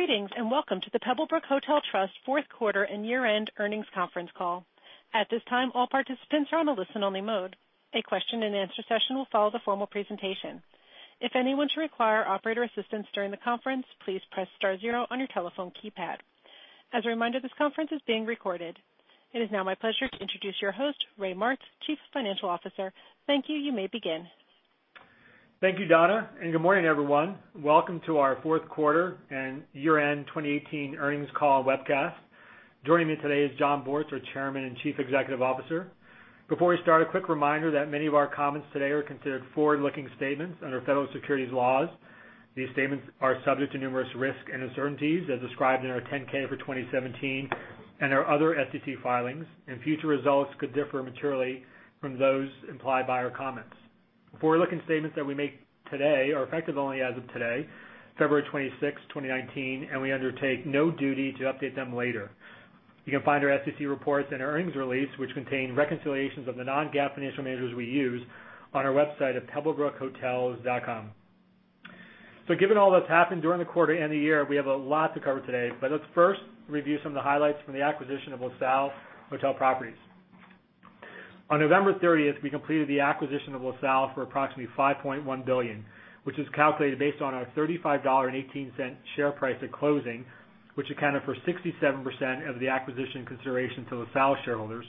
Greetings. Welcome to the Pebblebrook Hotel Trust Fourth Quarter and Year-end Earnings Conference Call. At this time, all participants are on a listen-only mode. A question and answer session will follow the formal presentation. If anyone should require operator assistance during the conference, please press star zero on your telephone keypad. As a reminder, this conference is being recorded. It is now my pleasure to introduce your host, Ray Martz, Chief Financial Officer. Thank you. You may begin. Thank you, Donna. Good morning, everyone. Welcome to our Fourth Quarter and Year-end 2018 Earnings Call webcast. Joining me today is Jon Bortz, our Chairman and Chief Executive Officer. Before we start, a quick reminder that many of our comments today are considered forward-looking statements under federal securities laws. These statements are subject to numerous risks and uncertainties as described in our 10-K for 2017 and our other SEC filings. Future results could differ materially from those implied by our comments. Forward-looking statements that we make today are effective only as of today, February 26, 2019. We undertake no duty to update them later. You can find our SEC reports and earnings release, which contain reconciliations of the non-GAAP financial measures we use on our website at pebblebrookhotels.com. Given all that's happened during the quarter and the year, we have a lot to cover today. Let's first review some of the highlights from the acquisition of LaSalle Hotel Properties. On November 30th, we completed the acquisition of LaSalle for approximately $5.1 billion, which is calculated based on our $35.18 share price at closing, which accounted for 67% of the acquisition consideration to LaSalle shareholders,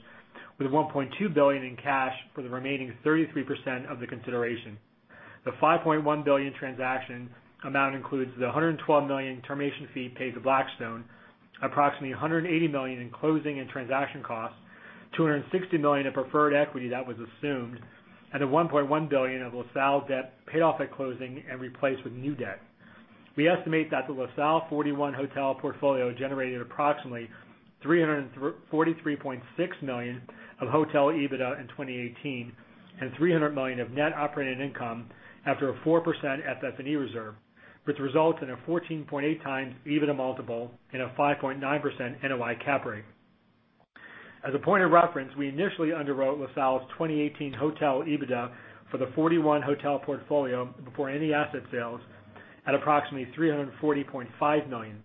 with $1.2 billion in cash for the remaining 33% of the consideration. The $5.1 billion transaction amount includes the $112 million termination fee paid to Blackstone, approximately $180 million in closing and transaction costs, $260 million in preferred equity that was assumed, and a $1.1 billion of LaSalle debt paid off at closing and replaced with new debt. We estimate that the LaSalle 41-hotel portfolio generated approximately $343.6 million of hotel EBITDA in 2018 and $300 million of net operating income after a 4% FF&E reserve, which results in a 14.8x EBITDA multiple and a 5.9% NOI cap rate. As a point of reference, we initially underwrote LaSalle's 2018 hotel EBITDA for the 41-hotel portfolio before any asset sales at approximately $340.5 million.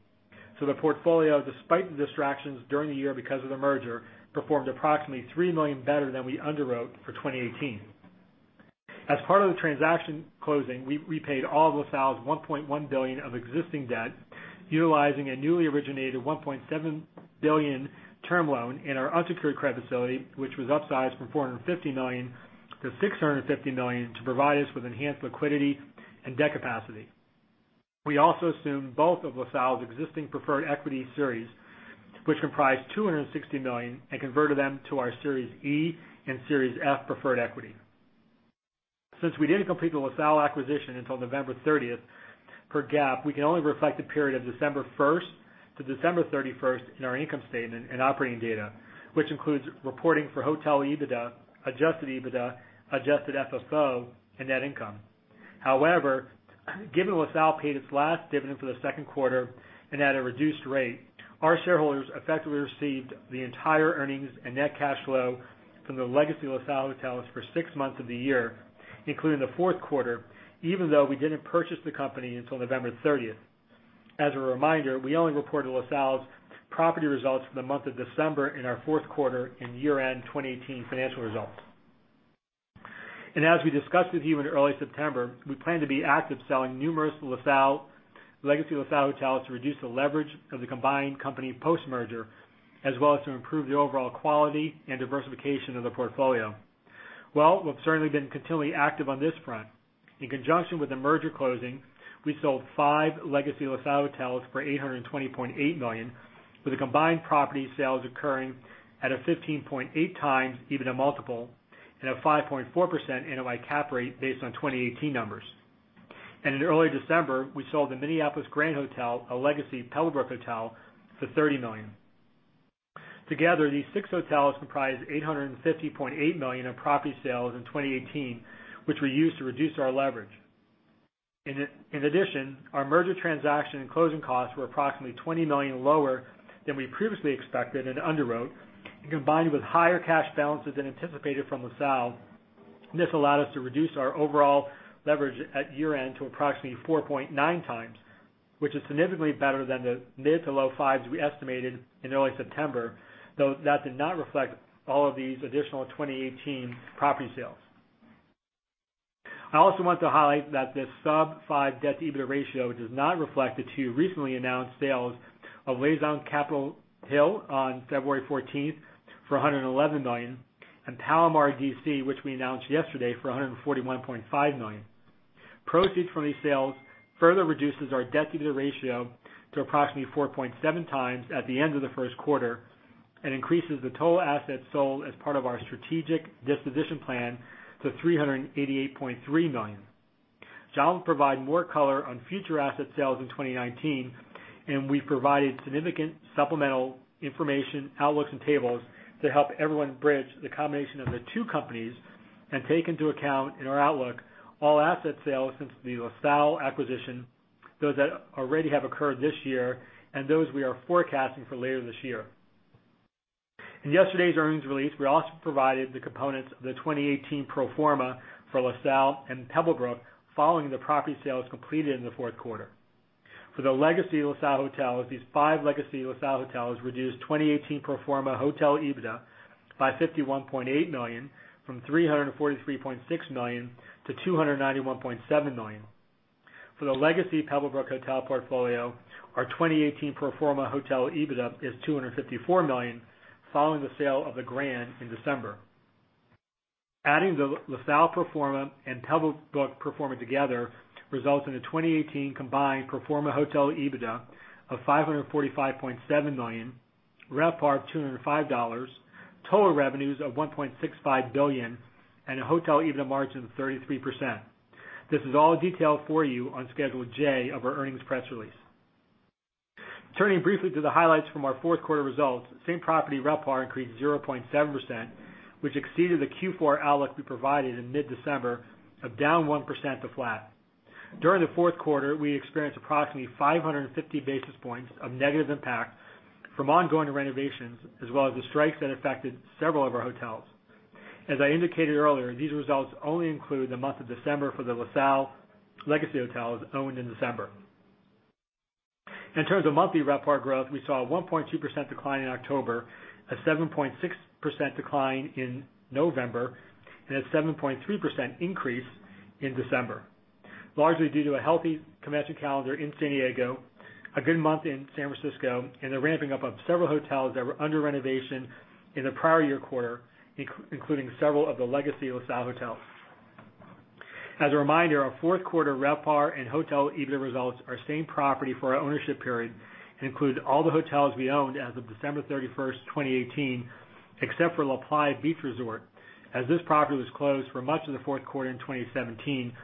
The portfolio, despite the distractions during the year because of the merger, performed approximately $3 million better than we underwrote for 2018. As part of the transaction closing, we paid all of LaSalle's $1.1 billion of existing debt utilizing a newly originated $1.7 billion term loan in our unsecured credit facility, which was upsized from $450 million to $650 million to provide us with enhanced liquidity and debt capacity. We also assumed both of LaSalle's existing preferred equity series, which comprised $260 million, and converted them to our Series E and Series F preferred equity. Since we didn't complete the LaSalle acquisition until November 30th, per GAAP, we can only reflect the period of December 1st to December 31st in our income statement and operating data, which includes reporting for hotel EBITDA, adjusted EBITDA, adjusted FFO, and net income. However, given LaSalle paid its last dividend for the second quarter and at a reduced rate, our shareholders effectively received the entire earnings and net cash flow from the legacy LaSalle hotels for six months of the year, including the fourth quarter, even though we didn't purchase the company until November 30th. As a reminder, we only reported LaSalle's property results for the month of December in our fourth quarter and year-end 2018 financial results. As we discussed with you in early September, we plan to be active selling numerous legacy LaSalle hotels to reduce the leverage of the combined company post-merger, as well as to improve the overall quality and diversification of the portfolio. We've certainly been continually active on this front. In conjunction with the merger closing, we sold five legacy LaSalle hotels for $820.8 million, with the combined property sales occurring at a 15.8x EBITDA multiple and a 5.4% NOI cap rate based on 2018 numbers. In early December, we sold the Grand Hotel Minneapolis, a legacy Pebblebrook hotel, for $30 million. Together, these six hotels comprise $850.8 million in property sales in 2018, which we used to reduce our leverage. In addition, our merger transaction and closing costs were approximately $20 million lower than we previously expected and underwrote. Combined with higher cash balances than anticipated from LaSalle, this allowed us to reduce our overall leverage at year-end to approximately 4.9x, which is significantly better than the mid to low fives we estimated in early September, though that did not reflect all of these additional 2018 property sales. I also want to highlight that this sub five debt-to-EBITDA ratio does not reflect the two recently announced sales of Liaison Capitol Hill on February 14th for $111 million, and Palomar D.C., which we announced yesterday for $141.5 million. Proceeds from these sales further reduces our debt-to-EBITDA ratio to approximately 4.7x at the end of the first quarter and increases the total assets sold as part of our strategic disposition plan to $388.3 million. Jon will provide more color on future asset sales in 2019. We've provided significant supplemental information, outlooks, and tables to help everyone bridge the combination of the two companies and take into account in our outlook all asset sales since the LaSalle acquisition, those that already have occurred this year, and those we are forecasting for later this year. In yesterday's earnings release, we also provided the components of the 2018 pro forma for LaSalle and Pebblebrook following the property sales completed in the fourth quarter. For the legacy LaSalle hotels, these five legacy LaSalle hotels reduced 2018 pro forma hotel EBITDA by $51.8 million from $343.6 million to $291.7 million. For the legacy Pebblebrook hotel portfolio, our 2018 pro forma hotel EBITDA is $254 million following the sale of The Grand in December. Adding the LaSalle pro forma and Pebblebrook pro forma together results in a 2018 combined pro forma hotel EBITDA of $545.7 million, RevPAR of $205, total revenues of $1.65 billion, and a hotel EBITDA margin of 33%. This is all detailed for you on Schedule J of our earnings press release. Turning briefly to the highlights from our fourth quarter results, same property RevPAR increased 0.7%, which exceeded the Q4 outlook we provided in mid-December of down 1% to flat. During the fourth quarter, we experienced approximately 550 basis points of negative impact from ongoing renovations, as well as the strikes that affected several of our hotels. As I indicated earlier, these results only include the month of December for the LaSalle legacy hotels owned in December. In terms of monthly RevPAR growth, we saw a 1.2% decline in October, a 7.6% decline in November, and a 7.3% increase in December, largely due to a healthy convention calendar in San Diego, a good month in San Francisco, and the ramping up of several hotels that were under renovation in the prior year quarter, including several of the legacy LaSalle hotels. As a reminder, our fourth quarter RevPAR and hotel EBITDA results are same property for our ownership period and includes all the hotels we owned as of December 31st, 2018, except for LaPlaya Beach Resort, as this property was closed for much of the fourth quarter in 2017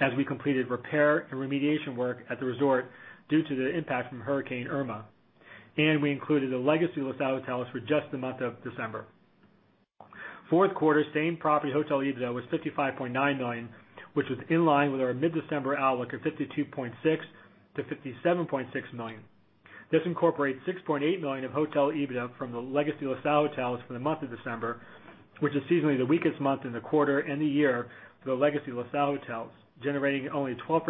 as we completed repair and remediation work at the resort due to the impact from Hurricane Irma. We included the legacy LaSalle hotels for just the month of December. Fourth quarter same property hotel EBITDA was $55.9 million, which was in line with our mid-December outlook of $52.6 million-$57.6 million. This incorporates $6.8 million of hotel EBITDA from the legacy LaSalle hotels for the month of December, which is seasonally the weakest month in the quarter and the year for the legacy LaSalle hotels, generating only 12%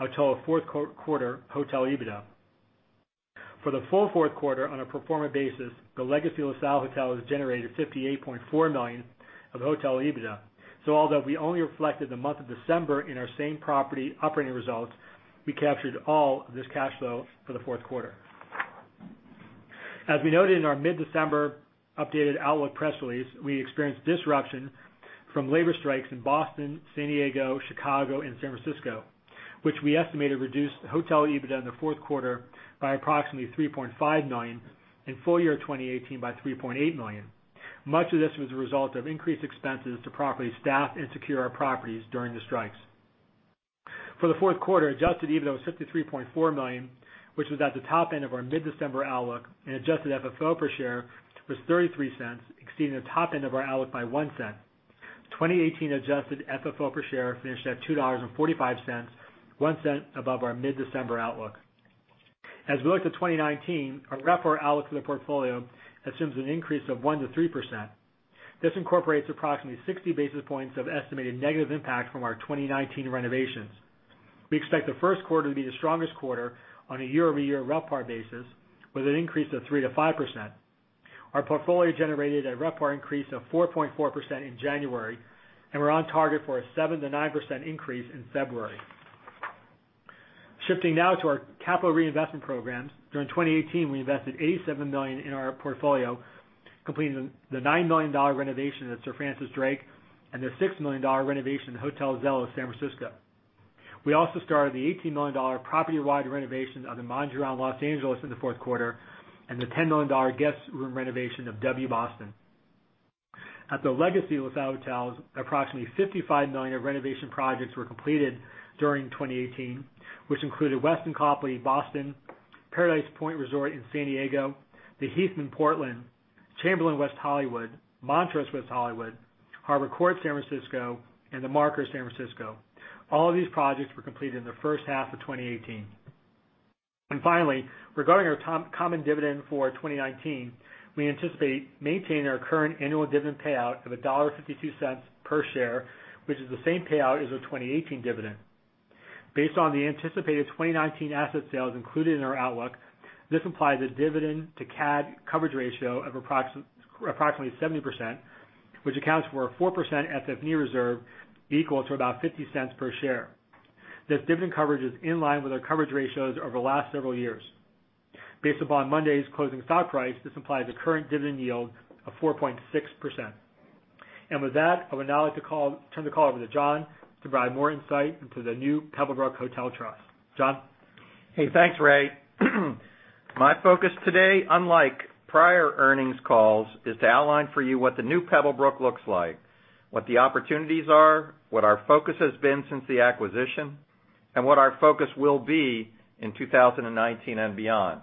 of total fourth quarter hotel EBITDA. For the full fourth quarter on a pro forma basis, the legacy LaSalle hotels generated $58.4 million of hotel EBITDA. Although we only reflected the month of December in our same property operating results, we captured all of this cash flow for the fourth quarter. As we noted in our mid-December updated outlook press release, we experienced disruption from labor strikes in Boston, San Diego, Chicago, and San Francisco, which we estimated reduced hotel EBITDA in the fourth quarter by approximately $3.5 million, in full year 2018, by $3.8 million. Much of this was a result of increased expenses to properly staff and secure our properties during the strikes. For the fourth quarter, adjusted EBITDA was $53.4 million, which was at the top end of our mid-December outlook, and adjusted FFO per share was $0.33, exceeding the top end of our outlook by $0.01. 2018 adjusted FFO per share finished at $2.45, $0.01 above our mid-December outlook. As we look to 2019, our RevPAR outlook for the portfolio assumes an increase of 1%-3%. This incorporates approximately 60 basis points of estimated negative impact from our 2019 renovations. We expect the first quarter to be the strongest quarter on a year-over-year RevPAR basis, with an increase of 3%-5%. Our portfolio generated a RevPAR increase of 4.4% in January, and we're on target for a 7%-9% increase in February. Shifting now to our capital reinvestment programs. During 2018, we invested $87 million in our portfolio, completing the $9 million renovation at Sir Francis Drake and the $6 million renovation of Hotel Zelos San Francisco. We also started the $18 million property-wide renovation of the Mondrian Los Angeles in the fourth quarter, and the $10 million guest room renovation of W Boston. At the legacy LaSalle hotels, approximately $55 million of renovation projects were completed during 2018, which included Westin Copley Boston, Paradise Point Resort in San Diego, The Heathman Portland, Chamberlain West Hollywood, Montrose West Hollywood, Harbor Court San Francisco, and The Marker San Francisco. All of these projects were completed in the first half of 2018. Finally, regarding our common dividend for 2019, we anticipate maintaining our current annual dividend payout of $1.52 per share, which is the same payout as our 2018 dividend. Based on the anticipated 2019 asset sales included in our outlook, this implies a dividend to CAD coverage ratio of approximately 70%, which accounts for a 4% FF&E reserve equal to about $0.50 per share. This dividend coverage is in line with our coverage ratios over the last several years. Based upon Monday's closing stock price, this implies a current dividend yield of 4.6%. With that, I would now like to turn the call over to Jon to provide more insight into the new Pebblebrook Hotel Trust. Jon? Thanks, Ray. My focus today, unlike prior earnings calls, is to outline for you what the new Pebblebrook looks like, what the opportunities are, what our focus has been since the acquisition, and what our focus will be in 2019 and beyond.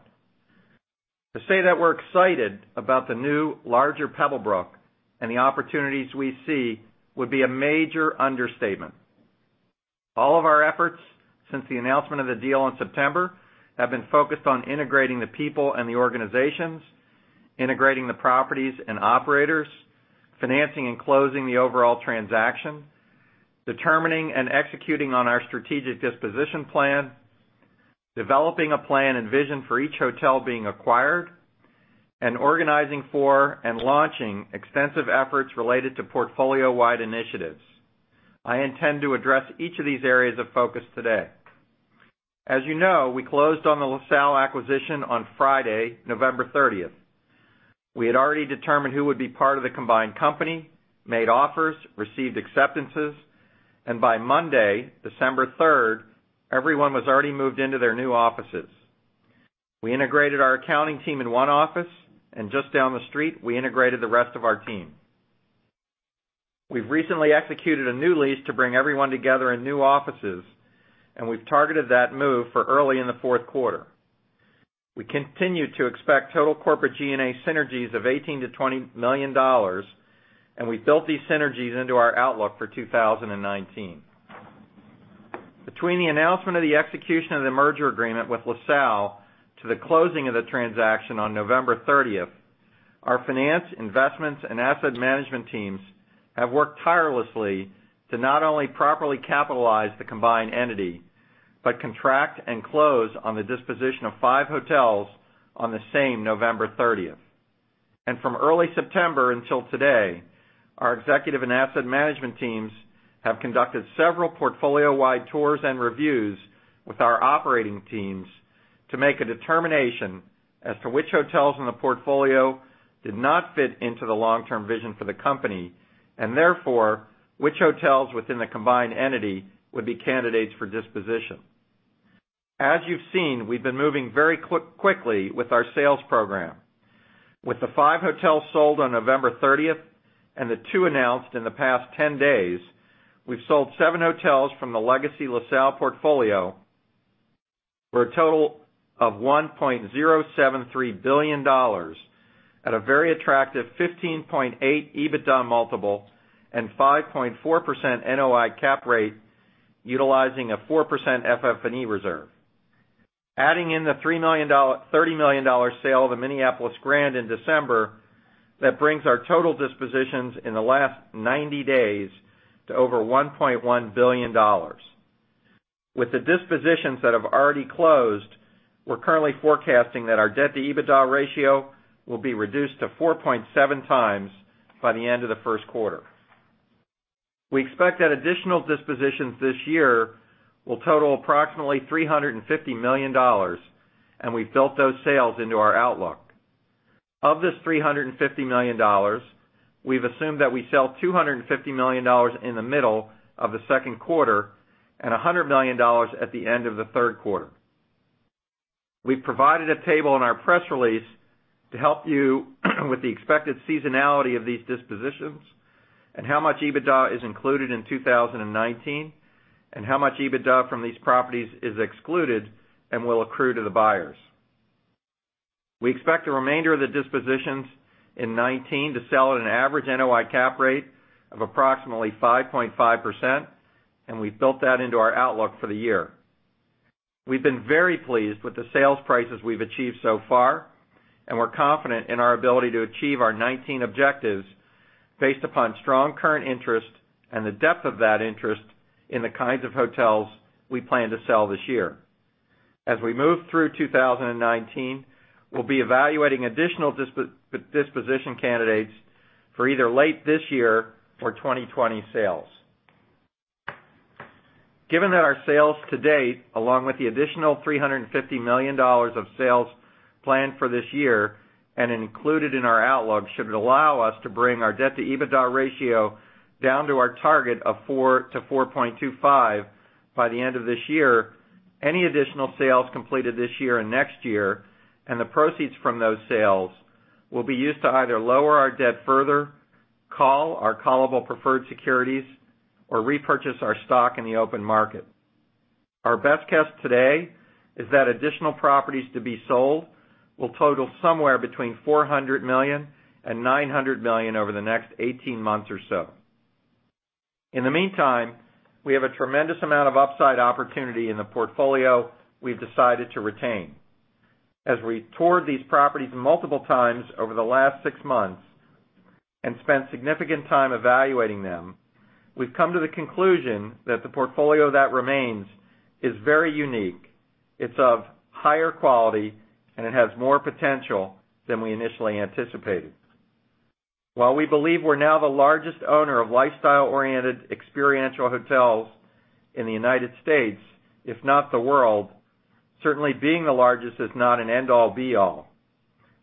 To say that we're excited about the new, larger Pebblebrook and the opportunities we see would be a major understatement. All of our efforts since the announcement of the deal in September have been focused on integrating the people and the organizations, integrating the properties and operators, financing and closing the overall transaction, determining and executing on our strategic disposition plan, developing a plan and vision for each hotel being acquired, and organizing for and launching extensive efforts related to portfolio-wide initiatives. I intend to address each of these areas of focus today. As you know, we closed on the LaSalle acquisition on Friday, November 30th. We had already determined who would be part of the combined company, made offers, received acceptances, By Monday, December 3rd, everyone was already moved into their new offices. We integrated our accounting team in one office, and just down the street, we integrated the rest of our team. We've recently executed a new lease to bring everyone together in new offices, and we've targeted that move for early in the fourth quarter. We continue to expect total corporate G&A synergies of $18 million-$20 million, and we've built these synergies into our outlook for 2019. Between the announcement of the execution of the merger agreement with LaSalle to the closing of the transaction on November 30th, our finance, investments, and asset management teams have worked tirelessly to not only properly capitalize the combined entity, but contract and close on the disposition of five hotels on the same November 30th. From early September until today, our executive and asset management teams have conducted several portfolio-wide tours and reviews with our operating teams to make a determination as to which hotels in the portfolio did not fit into the long-term vision for the company, and therefore, which hotels within the combined entity would be candidates for disposition. As you've seen, we've been moving very quickly with our sales program. With the five hotels sold on November 30th and the two announced in the past 10 days, we've sold seven hotels from the legacy LaSalle portfolio for a total of $1.073 billion at a very attractive 15.8x EBITDA multiple and 5.4% NOI cap rate, utilizing a 4% FF&E reserve. Adding in the $30 million sale of the Minneapolis Grand in December, that brings our total dispositions in the last 90 days to over $1.1 billion. With the dispositions that have already closed, we're currently forecasting that our debt-to-EBITDA ratio will be reduced to 4.7x by the end of the first quarter. We expect that additional dispositions this year will total approximately $350 million, and we've built those sales into our outlook. Of this $350 million, we've assumed that we sell $250 million in the middle of the second quarter and $100 million at the end of the third quarter. We've provided a table in our press release to help you with the expected seasonality of these dispositions and how much EBITDA is included in 2019, and how much EBITDA from these properties is excluded and will accrue to the buyers. We expect the remainder of the dispositions in 2019 to sell at an average NOI cap rate of approximately 5.5%, and we've built that into our outlook for the year. We've been very pleased with the sales prices we've achieved so far, and we're confident in our ability to achieve our 2019 objectives based upon strong current interest and the depth of that interest in the kinds of hotels we plan to sell this year. As we move through 2019, we'll be evaluating additional disposition candidates for either late this year or 2020 sales. Given that our sales to date, along with the additional $350 million of sales planned for this year and included in our outlook, should allow us to bring our debt-to-EBITDA ratio down to our target of 4x-4.25x by the end of this year. Any additional sales completed this year and next year, and the proceeds from those sales, will be used to either lower our debt further, call our callable preferred securities, or repurchase our stock in the open market. Our best guess today is that additional properties to be sold will total somewhere between $400 million and $900 million over the next 18 months or so. In the meantime, we have a tremendous amount of upside opportunity in the portfolio we've decided to retain. As we toured these properties multiple times over the last six months and spent significant time evaluating them, we've come to the conclusion that the portfolio that remains is very unique. It's of higher quality, and it has more potential than we initially anticipated. While we believe we're now the largest owner of lifestyle-oriented experiential hotels in the United States, if not the world, certainly being the largest is not an end-all be-all.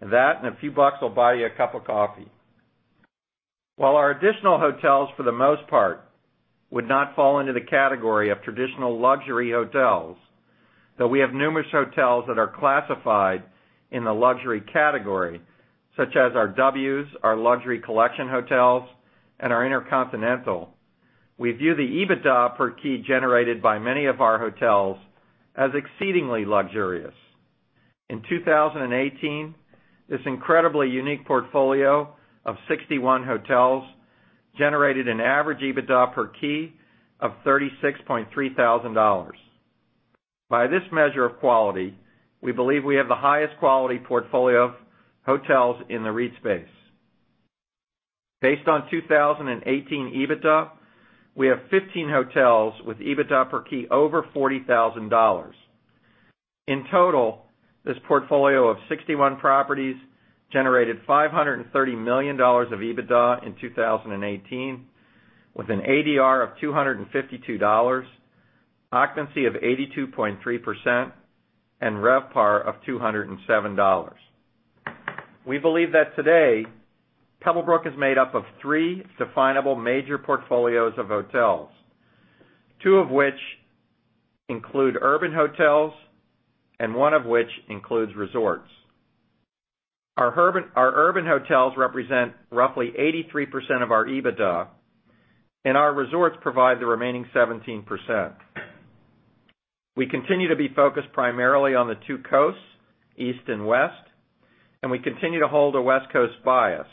That and a few bucks will buy you a cup of coffee. While our additional hotels, for the most part, would not fall into the category of traditional luxury hotels, though we have numerous hotels that are classified in the luxury category, such as our W's, our Luxury Collection hotels, and our InterContinental. We view the EBITDA per key generated by many of our hotels as exceedingly luxurious. In 2018, this incredibly unique portfolio of 61 hotels generated an average EBITDA per key of $36,300. By this measure of quality, we believe we have the highest quality portfolio of hotels in the REIT space. Based on 2018 EBITDA, we have 15 hotels with EBITDA per key over $40,000. In total, this portfolio of 61 properties generated $530 million of EBITDA in 2018, with an ADR of $252, occupancy of 82.3%, and RevPAR of $207. We believe that today, Pebblebrook is made up of three definable major portfolios of hotels, two of which include urban hotels and one of which includes resorts. Our urban hotels represent roughly 83% of our EBITDA, and our resorts provide the remaining 17%. We continue to be focused primarily on the two coasts, East and West, and we continue to hold a West Coast bias.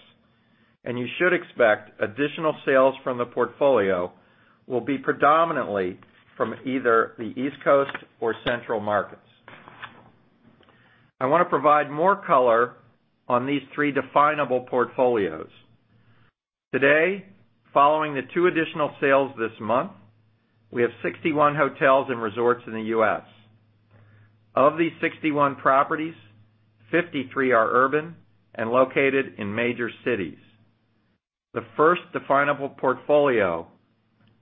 You should expect additional sales from the portfolio will be predominantly from either the East Coast or central markets. I want to provide more color on these three definable portfolios. Today, following the two additional sales this month, we have 61 hotels and resorts in the U.S.. Of these 61 properties, 53 are urban and located in major cities. The first definable portfolio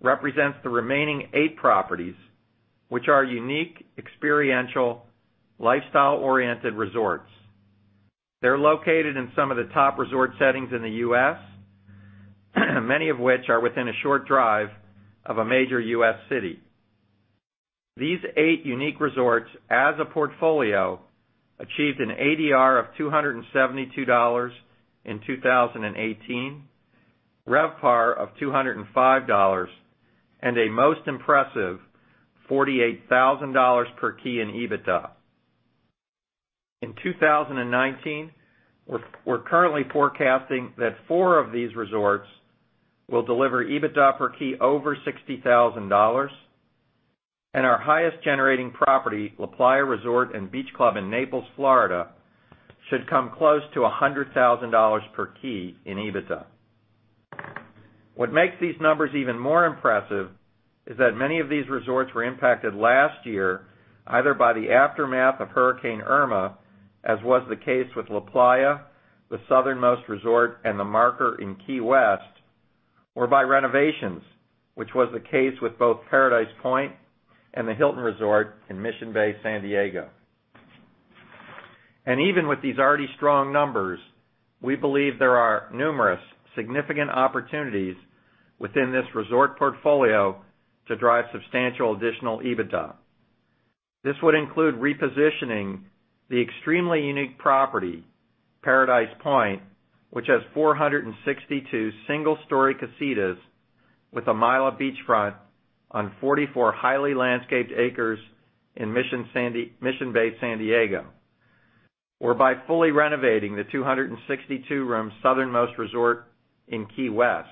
represents the remaining eight properties, which are unique, experiential, lifestyle-oriented resorts. They're located in some of the top resort settings in the U.S., many of which are within a short drive of a major U.S. city. These eight unique resorts, as a portfolio, achieved an ADR of $272 in 2018, RevPAR of $205, and a most impressive $48,000 per key in EBITDA. In 2019, we're currently forecasting that four of these resorts will deliver EBITDA per key over $60,000, and our highest generating property, LaPlaya Resort & Beach Club in Naples, Florida, should come close to $100,000 per key in EBITDA. What makes these numbers even more impressive is that many of these resorts were impacted last year, either by the aftermath of Hurricane Irma, as was the case with LaPlaya, the Southernmost Resort, and The Marker in Key West, or by renovations, which was the case with both Paradise Point and the Hilton Resort in Mission Bay, San Diego. Even with these already strong numbers, we believe there are numerous significant opportunities within this resort portfolio to drive substantial additional EBITDA. This would include repositioning the extremely unique property, Paradise Point, which has 462 single-story casitas with a mile of beachfront on 44 highly landscaped acres in Mission Bay, San Diego. Or by fully renovating the 262-room Southernmost Resort in Key West,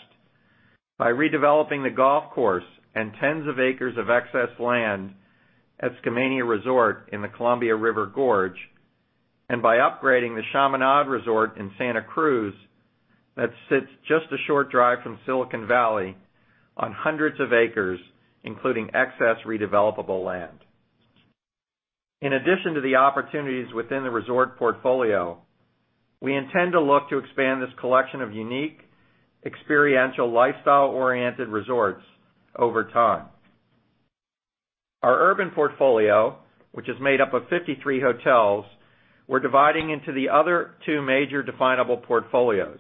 by redeveloping the golf course and tens of acres of excess land at Skamania Resort in the Columbia River Gorge, and by upgrading the Chaminade Resort in Santa Cruz that sits just a short drive from Silicon Valley on hundreds of acres, including excess redevelopable land. In addition to the opportunities within the resort portfolio, we intend to look to expand this collection of unique, experiential, lifestyle-oriented resorts over time. Our urban portfolio, which is made up of 53 hotels, we're dividing into the other two major definable portfolios.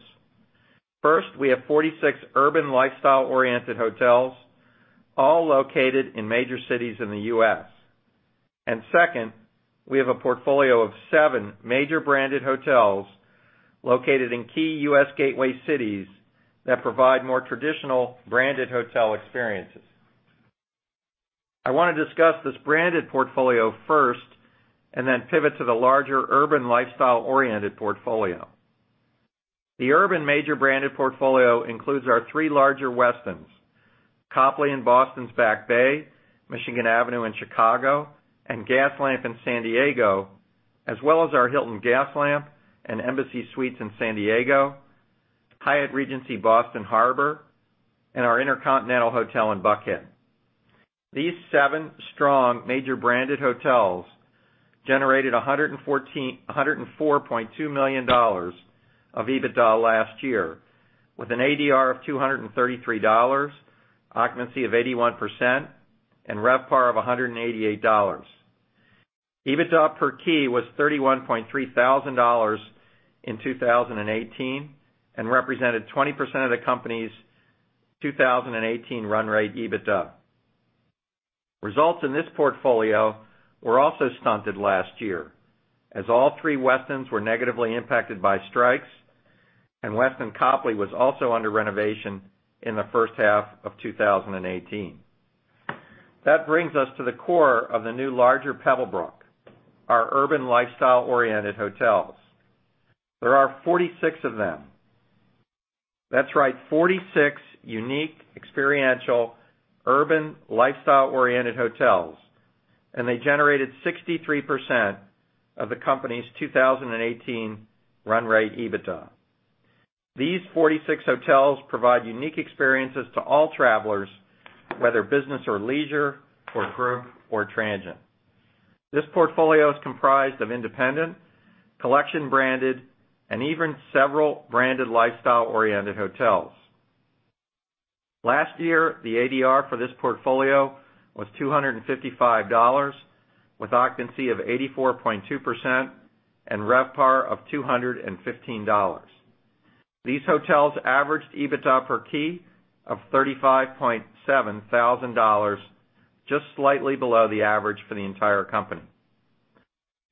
First, we have 46 urban lifestyle-oriented hotels, all located in major cities in the U.S.. Second, we have a portfolio of seven major-branded hotels located in key U.S. gateway cities that provide more traditional branded hotel experiences. I want to discuss this branded portfolio first and then pivot to the larger urban lifestyle-oriented portfolio. The urban major-branded portfolio includes our three larger Westins: Copley in Boston's Back Bay, Michigan Avenue in Chicago, and Gaslamp in San Diego, as well as our Hilton Gaslamp and Embassy Suites in San Diego, Hyatt Regency Boston Harbor, and our InterContinental Hotel in Buckhead. These seven strong major-branded hotels generated $104.2 million of EBITDA last year, with an ADR of $233, occupancy of 81%, and RevPAR of $188. EBITDA per key was $31,300 in 2018 and represented 20% of the company's 2018 run rate EBITDA. Results in this portfolio were also stunted last year as all three Westins were negatively impacted by strikes, and Westin Copley was also under renovation in the first half of 2018. That brings us to the core of the new, larger Pebblebrook, our urban lifestyle-oriented hotels. There are 46 of them. That's right, 46 unique, experiential, urban lifestyle-oriented hotels, and they generated 63% of the company's 2018 run rate EBITDA. These 46 hotels provide unique experiences to all travelers, whether business or leisure, for group or transient. This portfolio is comprised of independent, collection-branded, and even several branded lifestyle-oriented hotels. Last year, the ADR for this portfolio was $255 with occupancy of 84.2% and RevPAR of $215. These hotels averaged EBITDA per key of $35,700, just slightly below the average for the entire company.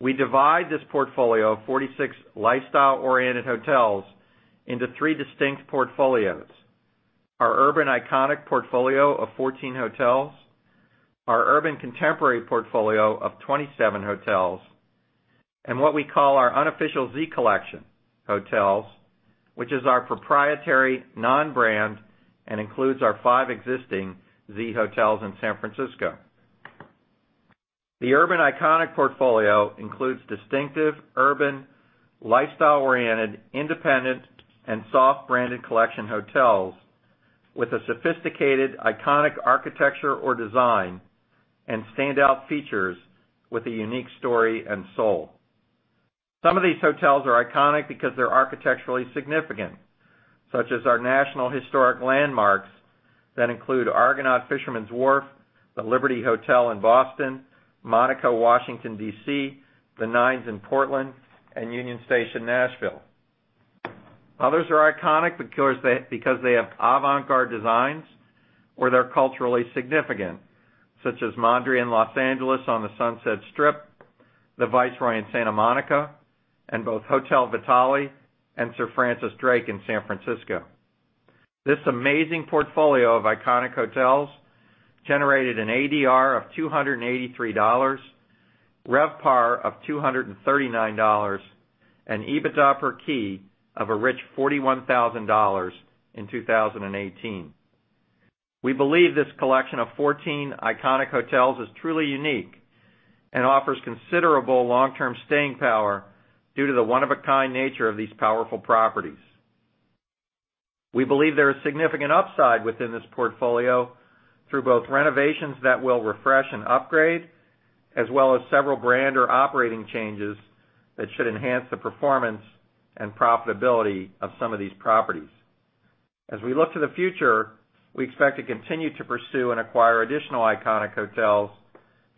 We divide this portfolio of 46 lifestyle-oriented hotels into three distinct portfolios. Our urban iconic portfolio of 14 hotels, our urban contemporary portfolio of 27 hotels, and what we call our Unofficial Z Collection hotels, which is our proprietary non-brand and includes our five existing Z hotels in San Francisco. The urban iconic portfolio includes distinctive urban lifestyle-oriented, independent, and soft-branded collection hotels with a sophisticated, iconic architecture or design and standout features with a unique story and soul. Some of these hotels are iconic because they're architecturally significant, such as our national historic landmarks that include Argonaut Fisherman's Wharf, The Liberty Hotel in Boston, Monaco, Washington, D.C., The Nines in Portland, and Union Station Nashville. Others are iconic because they have avant-garde designs or they're culturally significant, such as Mondrian Los Angeles on the Sunset Strip, the Viceroy in Santa Monica, and both Hotel Vitale and Sir Francis Drake in San Francisco. This amazing portfolio of iconic hotels generated an ADR of $283, RevPAR of $239, and EBITDA per key of a rich $41,000 in 2018. We believe this collection of 14 iconic hotels is truly unique and offers considerable long-term staying power due to the one-of-a-kind nature of these powerful properties. We believe there is significant upside within this portfolio through both renovations that we'll refresh and upgrade, as well as several brand or operating changes that should enhance the performance and profitability of some of these properties. As we look to the future, we expect to continue to pursue and acquire additional iconic hotels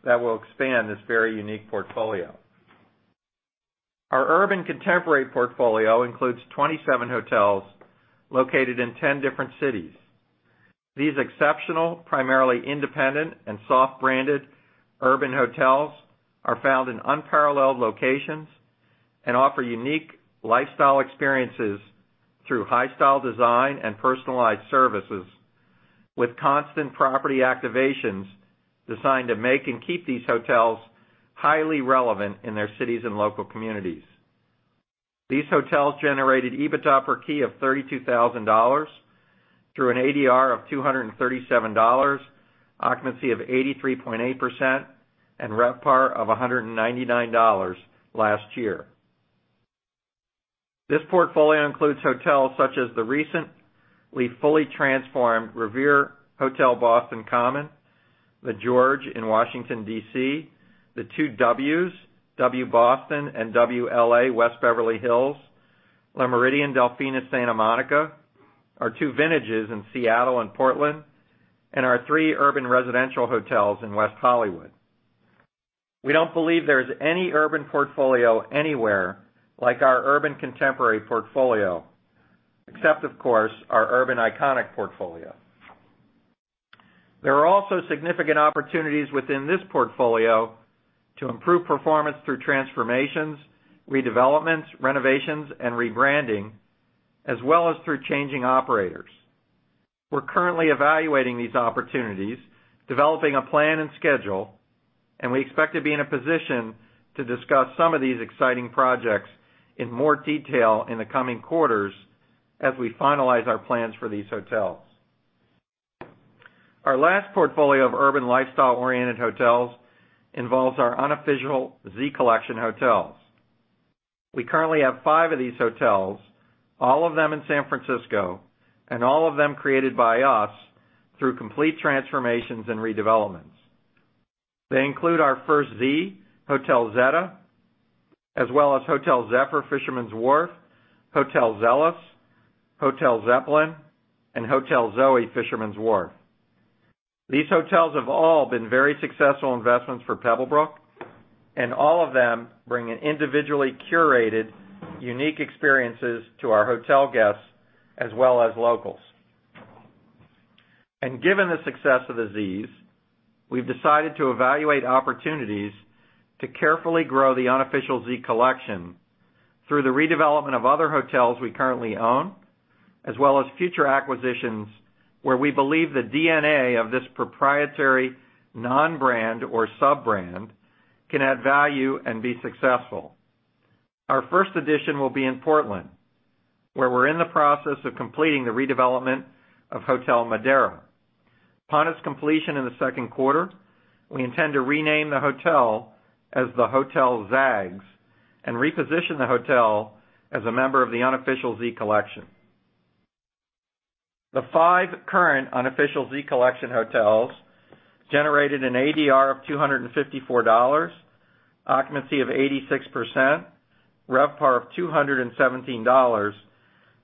that will expand this very unique portfolio. Our urban contemporary portfolio includes 27 hotels located in 10 different cities. These exceptional, primarily independent and soft-branded urban hotels are found in unparalleled locations and offer unique lifestyle experiences through high-style design and personalized services with constant property activations designed to make and keep these hotels highly relevant in their cities and local communities. These hotels generated EBITDA per key of $32,000 through an ADR of $237, occupancy of 83.8%, and RevPAR of $199 last year. This portfolio includes hotels such as the recently fully transformed Revere Hotel Boston Common, The George in Washington, D.C., the two W's, W Boston and W L.A., West Beverly Hills, Le Meridien Delfina Santa Monica, our two Vintages in Seattle and Portland, and our three urban residential hotels in West Hollywood. We don't believe there is any urban portfolio anywhere like our urban contemporary portfolio, except, of course, our urban iconic portfolio. There are also significant opportunities within this portfolio to improve performance through transformations, redevelopments, renovations, and rebranding, as well as through changing operators. We're currently evaluating these opportunities, developing a plan and schedule, and we expect to be in a position to discuss some of these exciting projects in more detail in the coming quarters as we finalize our plans for these hotels. Our last portfolio of urban lifestyle-oriented hotels involves our Unofficial Z Collection hotels. We currently have five of these hotels, all of them in San Francisco, and all of them created by us through complete transformations and redevelopments. They include our first Z, Hotel Zetta, as well as Hotel Zephyr Fisherman's Wharf, Hotel Zelos, Hotel Zeppelin, and Hotel Zoe Fisherman's Wharf. These hotels have all been very successful investments for Pebblebrook, and all of them bring individually curated, unique experiences to our hotel guests as well as locals. And given the success of the Zs, we've decided to evaluate opportunities to carefully grow the Unofficial Z Collection through the redevelopment of other hotels we currently own, as well as future acquisitions, where we believe the DNA of this proprietary non-brand or sub-brand can add value and be successful. Our first edition will be in Portland, where we're in the process of completing the redevelopment of Hotel Madera. Upon its completion in the second quarter, we intend to rename the hotel as The Hotel Zags and reposition the hotel as a member of the Unofficial Z Collection. The five current Unofficial Z Collection hotels generated an ADR of $254, occupancy of 86%, RevPAR of $217,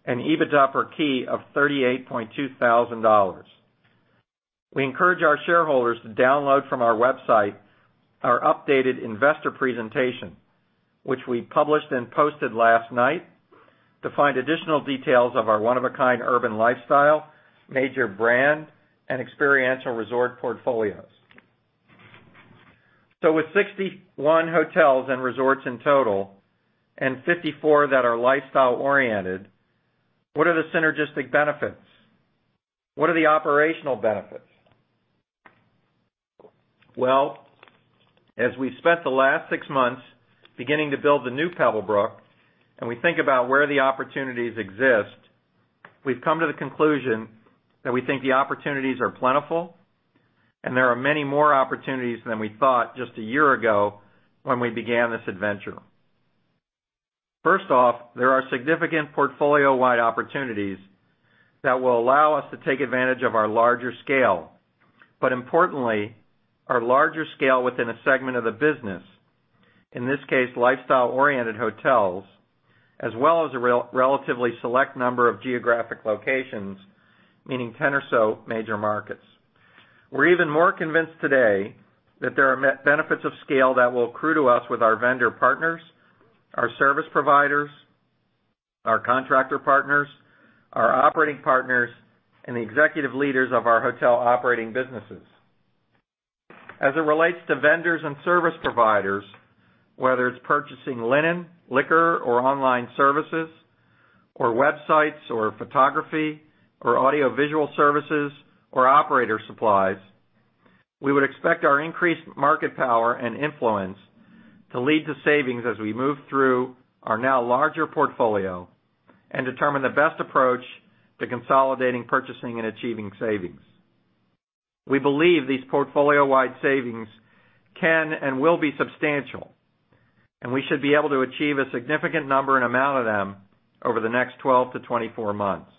and EBITDA per key of $38,200. We encourage our shareholders to download from our website our updated investor presentation, which we published and posted last night to find additional details of our one-of-a-kind urban lifestyle, major brand, and experiential resort portfolios. With 61 hotels and resorts in total and 54 that are lifestyle-oriented, what are the synergistic benefits? What are the operational benefits? Well, as we've spent the last six months beginning to build the new Pebblebrook, and we think about where the opportunities exist, we've come to the conclusion that we think the opportunities are plentiful and there are many more opportunities than we thought just a year ago when we began this adventure. First off, there are significant portfolio-wide opportunities that will allow us to take advantage of our larger scale, but importantly, our larger scale within a segment of the business, in this case, lifestyle-oriented hotels, as well as a relatively select number of geographic locations, meaning 10 or so major markets. We're even more convinced today that there are benefits of scale that will accrue to us with our vendor partners, our service providers, our contractor partners, our operating partners, and the executive leaders of our hotel operating businesses. As it relates to vendors and service providers, whether it's purchasing linen, liquor, or online services, or websites, or photography, or audiovisual services, or operator supplies, we would expect our increased market power and influence to lead to savings as we move through our now larger portfolio and determine the best approach to consolidating, purchasing, and achieving savings. We believe these portfolio-wide savings can and will be substantial, and we should be able to achieve a significant number and amount of them over the next 12 to 24 months.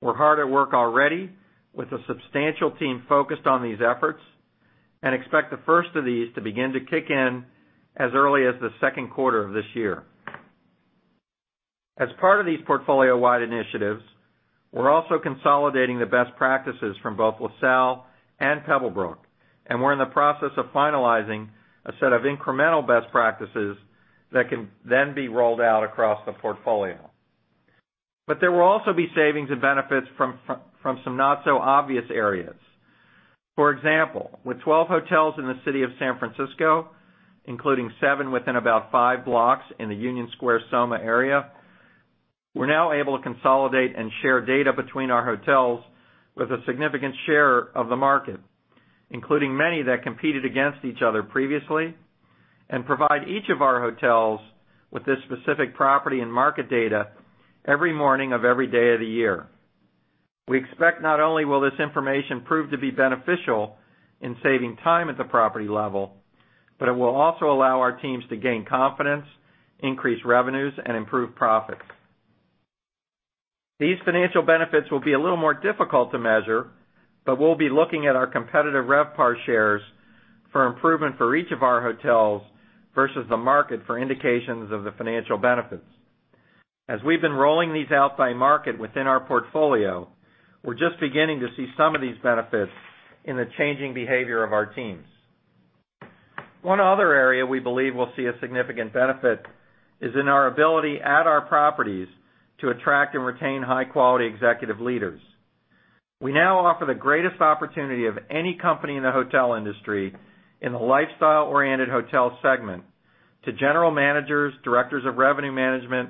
We're hard at work already with a substantial team focused on these efforts and expect the first of these to begin to kick in as early as the second quarter of this year. As part of these portfolio-wide initiatives, we're also consolidating the best practices from both LaSalle and Pebblebrook, and we're in the process of finalizing a set of incremental best practices that can then be rolled out across the portfolio. There will also be savings and benefits from some not so obvious areas. For example, with 12 hotels in the city of San Francisco, including seven within about five blocks in the Union Square SoMa area, we're now able to consolidate and share data between our hotels with a significant share of the market, including many that competed against each other previously, and provide each of our hotels with this specific property and market data every morning of every day of the year. We expect not only will this information prove to be beneficial in saving time at the property level, but it will also allow our teams to gain confidence, increase revenues, and improve profits. These financial benefits will be a little more difficult to measure, but we'll be looking at our competitive RevPAR shares for improvement for each of our hotels versus the market for indications of the financial benefits. As we've been rolling these out by market within our portfolio, we're just beginning to see some of these benefits in the changing behavior of our teams. One other area we believe we'll see a significant benefit is in our ability at our properties to attract and retain high-quality executive leaders. We now offer the greatest opportunity of any company in the hotel industry in the lifestyle-oriented hotel segment to general managers, directors of revenue management,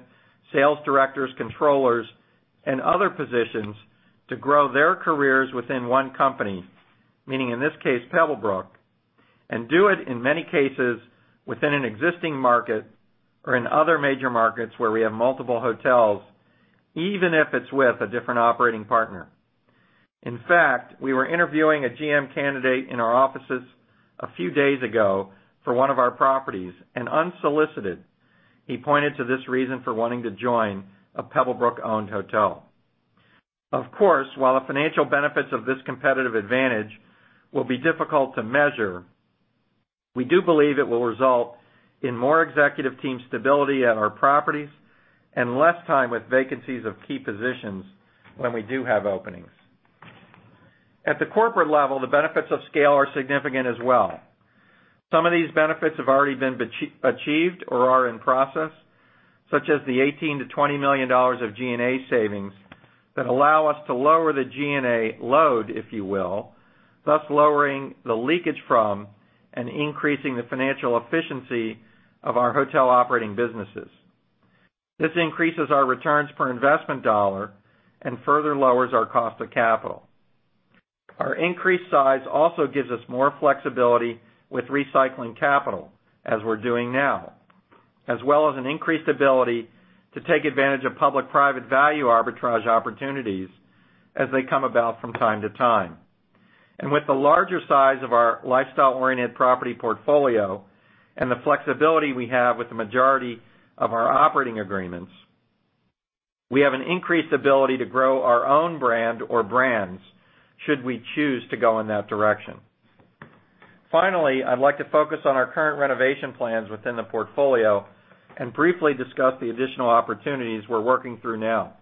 sales directors, controllers, and other positions to grow their careers within one company, meaning in this case, Pebblebrook, and do it in many cases, within an existing market or in other major markets where we have multiple hotels, even if it's with a different operating partner. In fact, we were interviewing a GM candidate in our offices a few days ago for one of our properties, and unsolicited, he pointed to this reason for wanting to join a Pebblebrook-owned hotel. Of course, while the financial benefits of this competitive advantage will be difficult to measure, we do believe it will result in more executive team stability at our properties and less time with vacancies of key positions when we do have openings. At the corporate level, the benefits of scale are significant as well. Some of these benefits have already been achieved or are in process, such as the $18 million-$20 million of G&A savings that allow us to lower the G&A load, if you will, thus lowering the leakage from and increasing the financial efficiency of our hotel operating businesses. This increases our returns per investment dollar and further lowers our cost of capital. Our increased size also gives us more flexibility with recycling capital, as we're doing now, as well as an increased ability to take advantage of public-private value arbitrage opportunities as they come about from time to time. With the larger size of our lifestyle-oriented property portfolio and the flexibility we have with the majority of our operating agreements, we have an increased ability to grow our own brand or brands, should we choose to go in that direction. Finally, I'd like to focus on our current renovation plans within the portfolio and briefly discuss the additional opportunities we're working through now.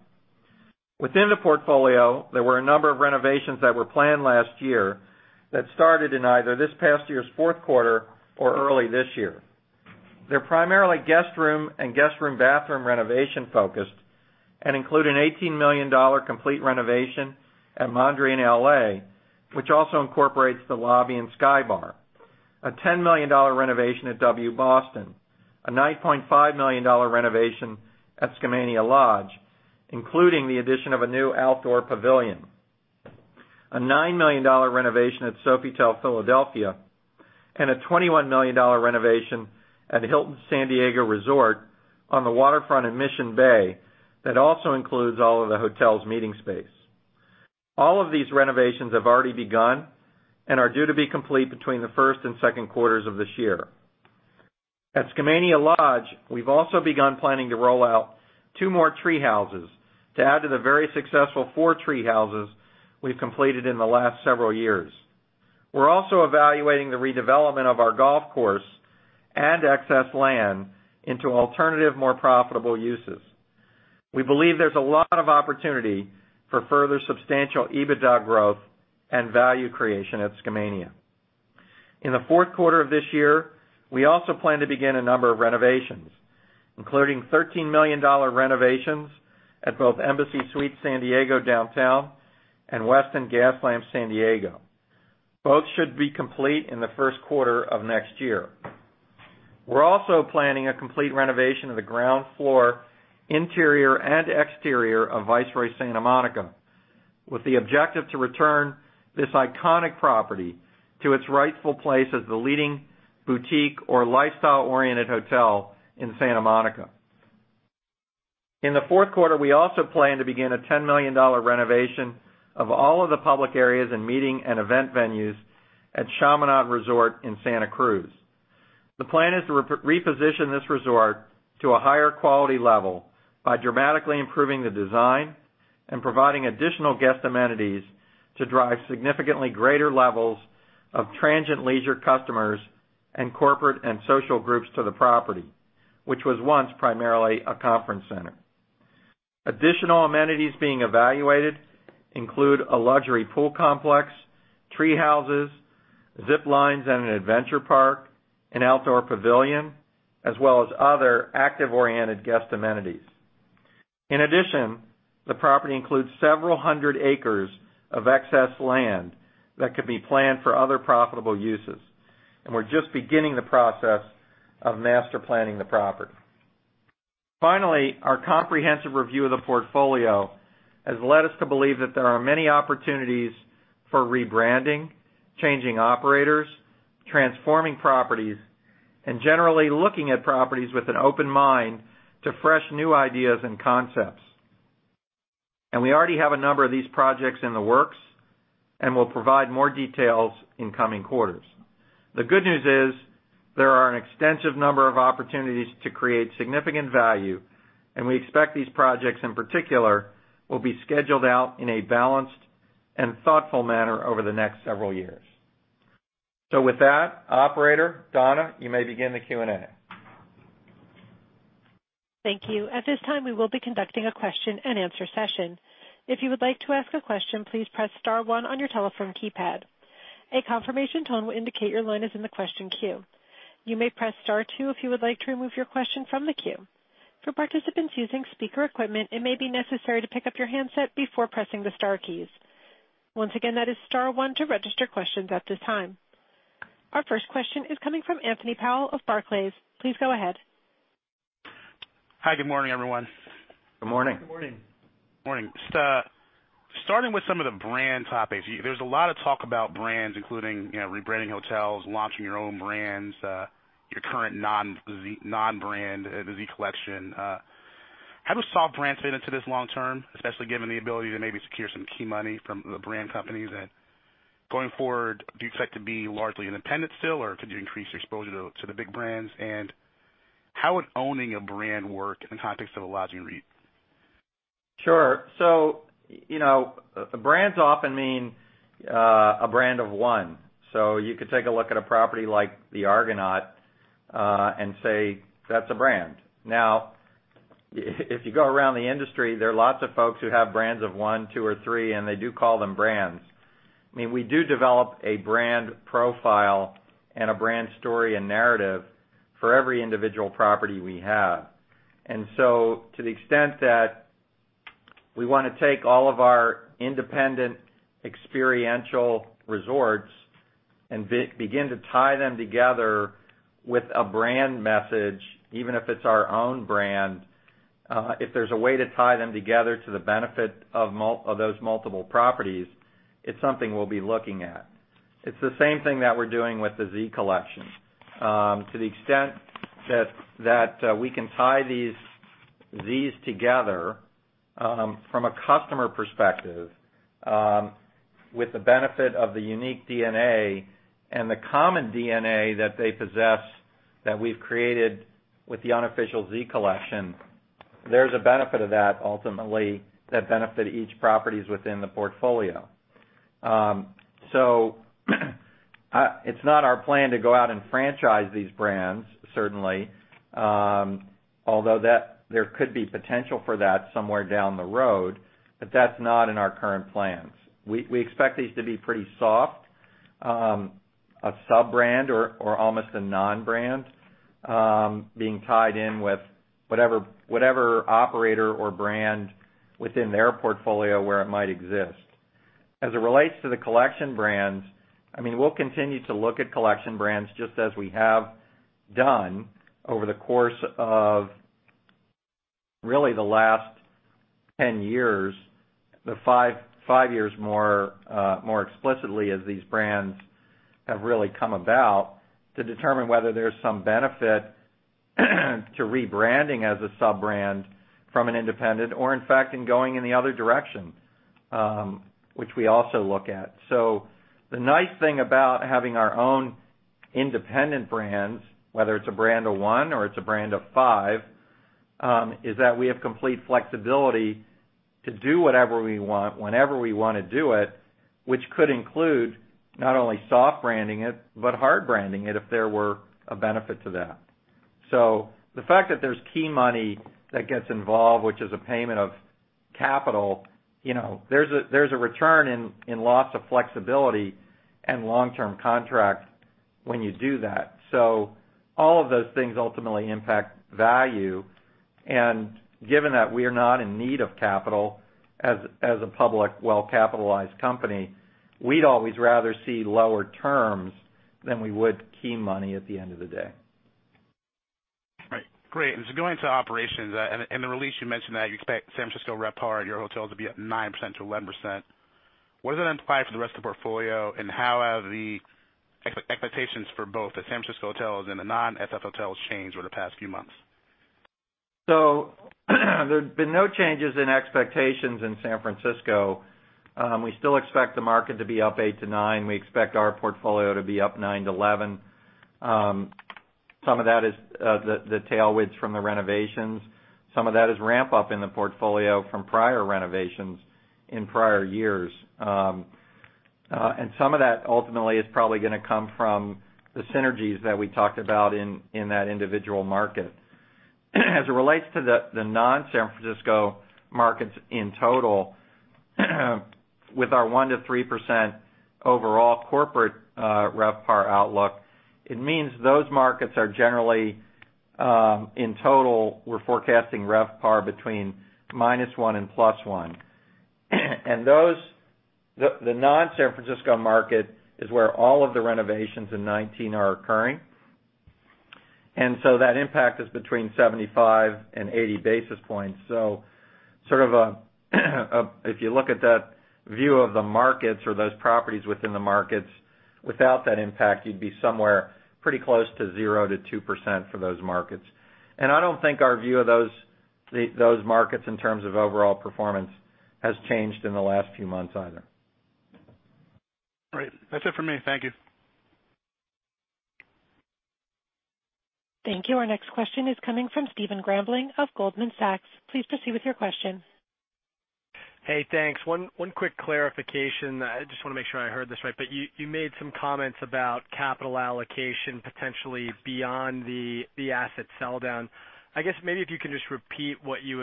Within the portfolio, there were a number of renovations that were planned last year that started in either this past year's fourth quarter or early this year. They're primarily guest room and guest room bathroom renovation focused and include an $18 million complete renovation at Mondrian L.A., which also incorporates the lobby and sky bar, a $10 million renovation at W Boston, a $9.5 million renovation at Skamania Lodge, including the addition of a new outdoor pavilion, a $9 million renovation at Sofitel Philadelphia, and a $21 million renovation at Hilton San Diego Resort on the waterfront in Mission Bay that also includes all of the hotel's meeting space. All of these renovations have already begun and are due to be complete between the first and second quarters of this year. At Skamania Lodge, we've also begun planning to roll out two more tree houses to add to the very successful four tree houses we've completed in the last several years. We're also evaluating the redevelopment of our golf course and excess land into alternative, more profitable uses. We believe there's a lot of opportunity for further substantial EBITDA growth and value creation at Skamania. In the fourth quarter of this year, we also plan to begin a number of renovations, including $13 million renovations at both Embassy Suites San Diego Downtown and Westin Gaslamp San Diego. Both should be complete in the first quarter of next year. We're also planning a complete renovation of the ground floor, interior, and exterior of Viceroy Santa Monica, with the objective to return this iconic property to its rightful place as the leading boutique or lifestyle-oriented hotel in Santa Monica. In the fourth quarter, we also plan to begin a $10 million renovation of all of the public areas and meeting and event venues at Chaminade Resort in Santa Cruz. The plan is to reposition this resort to a higher quality level by dramatically improving the design and providing additional guest amenities to drive significantly greater levels of transient leisure customers and corporate and social groups to the property, which was once primarily a conference center. Additional amenities being evaluated include a luxury pool complex, tree houses, zip lines, and an adventure park, an outdoor pavilion, as well as other active-oriented guest amenities. In addition, the property includes several hundred acres of excess land that could be planned for other profitable uses, and we're just beginning the process of master planning the property. Finally, our comprehensive review of the portfolio has led us to believe that there are many opportunities for rebranding, changing operators, transforming properties, and generally looking at properties with an open mind to fresh new ideas and concepts. We already have a number of these projects in the works and will provide more details in coming quarters. The good news is, there are an extensive number of opportunities to create significant value, and we expect these projects in particular will be scheduled out in a balanced and thoughtful manner over the next several years. With that, operator, Donna, you may begin the Q&A. Thank you. At this time, we will be conducting a question and answer session. If you would like to ask a question, please press star one on your telephone keypad. A confirmation tone will indicate your line is in the question queue. You may press star two if you would like to remove your question from the queue. For participants using speaker equipment, it may be necessary to pick up your handset before pressing the star keys. Once again, that is star one to register questions at this time. Our first question is coming from Anthony Powell of Barclays. Please go ahead. Hi. Good morning, everyone. Good morning. Good morning. Morning. Starting with some of the brand topics, there's a lot of talk about brands, including rebranding hotels, launching your own brands, your current non-brand, the Z Collection. How does soft brands fit into this long term, especially given the ability to maybe secure some key money from the brand companies? Going forward, do you expect to be largely independent still, or could you increase your exposure to the big brands? How would owning a brand work in the context of a lodging REIT? Sure. Brands often mean a brand of one. You could take a look at a property like The Argonaut and say, that's a brand. Now, if you go around the industry, there are lots of folks who have brands of one, two, or three, and they do call them brands. We do develop a brand profile and a brand story and narrative for every individual property we have. To the extent that we want to take all of our independent experiential resorts and begin to tie them together with a brand message, even if it's our own brand, if there's a way to tie them together to the benefit of those multiple properties, it's something we'll be looking at. It's the same thing that we're doing with the Z Collection. To the extent that we can tie these Z's together from a customer perspective, with the benefit of the unique DNA and the common DNA that they possess that we've created with the Unofficial Z Collection, there's a benefit of that ultimately that benefit each properties within the portfolio. It's not our plan to go out and franchise these brands, certainly, although there could be potential for that somewhere down the road, but that's not in our current plans. We expect these to be pretty soft, a sub-brand or almost a non-brand, being tied in with whatever operator or brand within their portfolio where it might exist. As it relates to the collection brands, we'll continue to look at collection brands just as we have done over the course of really the last 10 years, the five years more explicitly as these brands have really come about to determine whether there's some benefit to rebranding as a sub-brand from an independent or in fact, in going in the other direction, which we also look at. The nice thing about having our own independent brands, whether it's a brand of one or it's a brand of five, is that we have complete flexibility to do whatever we want, whenever we want to do it, which could include not only soft branding it, but hard branding it if there were a benefit to that. The fact that there's key money that gets involved, which is a payment of capital, there's a return in loss of flexibility and long-term contracts when you do that. All of those things ultimately impact value. Given that we are not in need of capital as a public, well-capitalized company, we'd always rather see lower terms than we would key money at the end of the day. Right. Great. Going to operations, in the release, you mentioned that you expect San Francisco RevPAR at your hotels to be up 9%-11%. What does that imply for the rest of the portfolio, and how have the expectations for both the San Francisco hotels and the non-S.F. hotels changed over the past few months? There have been no changes in expectations in San Francisco. We still expect the market to be up 8%-9%. We expect our portfolio to be up 9%-11%. Some of that is the tailwinds from the renovations. Some of that is ramp-up in the portfolio from prior renovations in prior years. Some of that ultimately is probably going to come from the synergies that we talked about in that individual market. As it relates to the non-San Francisco markets in total, with our 1%-3% overall corporate RevPAR outlook, it means those markets are generally, in total, we're forecasting RevPAR between -1% and +1%. The non-San Francisco market is where all of the renovations in 2019 are occurring. That impact is between 75 and 80 basis points. If you look at that view of the markets or those properties within the markets, without that impact, you'd be somewhere pretty close to 0%-2% for those markets. I don't think our view of those markets in terms of overall performance has changed in the last few months either. Right. That's it for me. Thank you. Thank you. Our next question is coming from Stephen Grambling of Goldman Sachs. Please proceed with your question. Hey, thanks. One quick clarification. I just want to make sure I heard this right. You made some comments about capital allocation potentially beyond the asset sell-down. I guess maybe if you can just repeat what you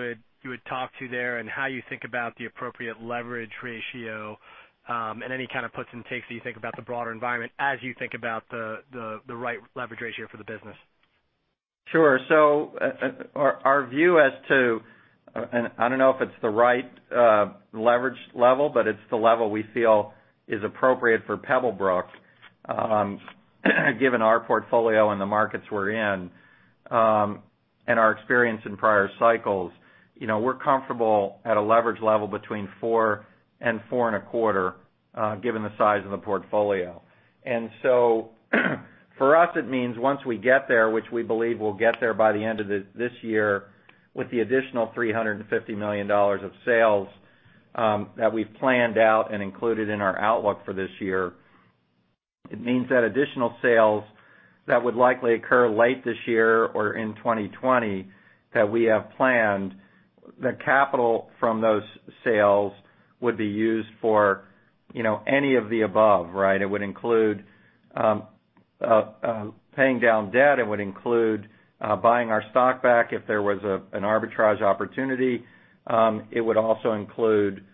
would talk to there and how you think about the appropriate leverage ratio, and any kind of puts and takes that you think about the broader environment as you think about the right leverage ratio for the business. Sure. Our view as to, I don't know if it's the right leverage level, it's the level we feel is appropriate for Pebblebrook, given our portfolio and the markets we're in, and our experience in prior cycles. We're comfortable at a leverage level between four and four and a quarter, given the size of the portfolio. For us, it means once we get there, which we believe we'll get there by the end of this year with the additional $350 million of sales that we've planned out and included in our outlook for this year, it means that additional sales that would likely occur late this year or in 2020 that we have planned, the capital from those sales would be used for any of the above, right? It would include paying down debt, it would include buying our stock back if there was an arbitrage opportunity. It would also include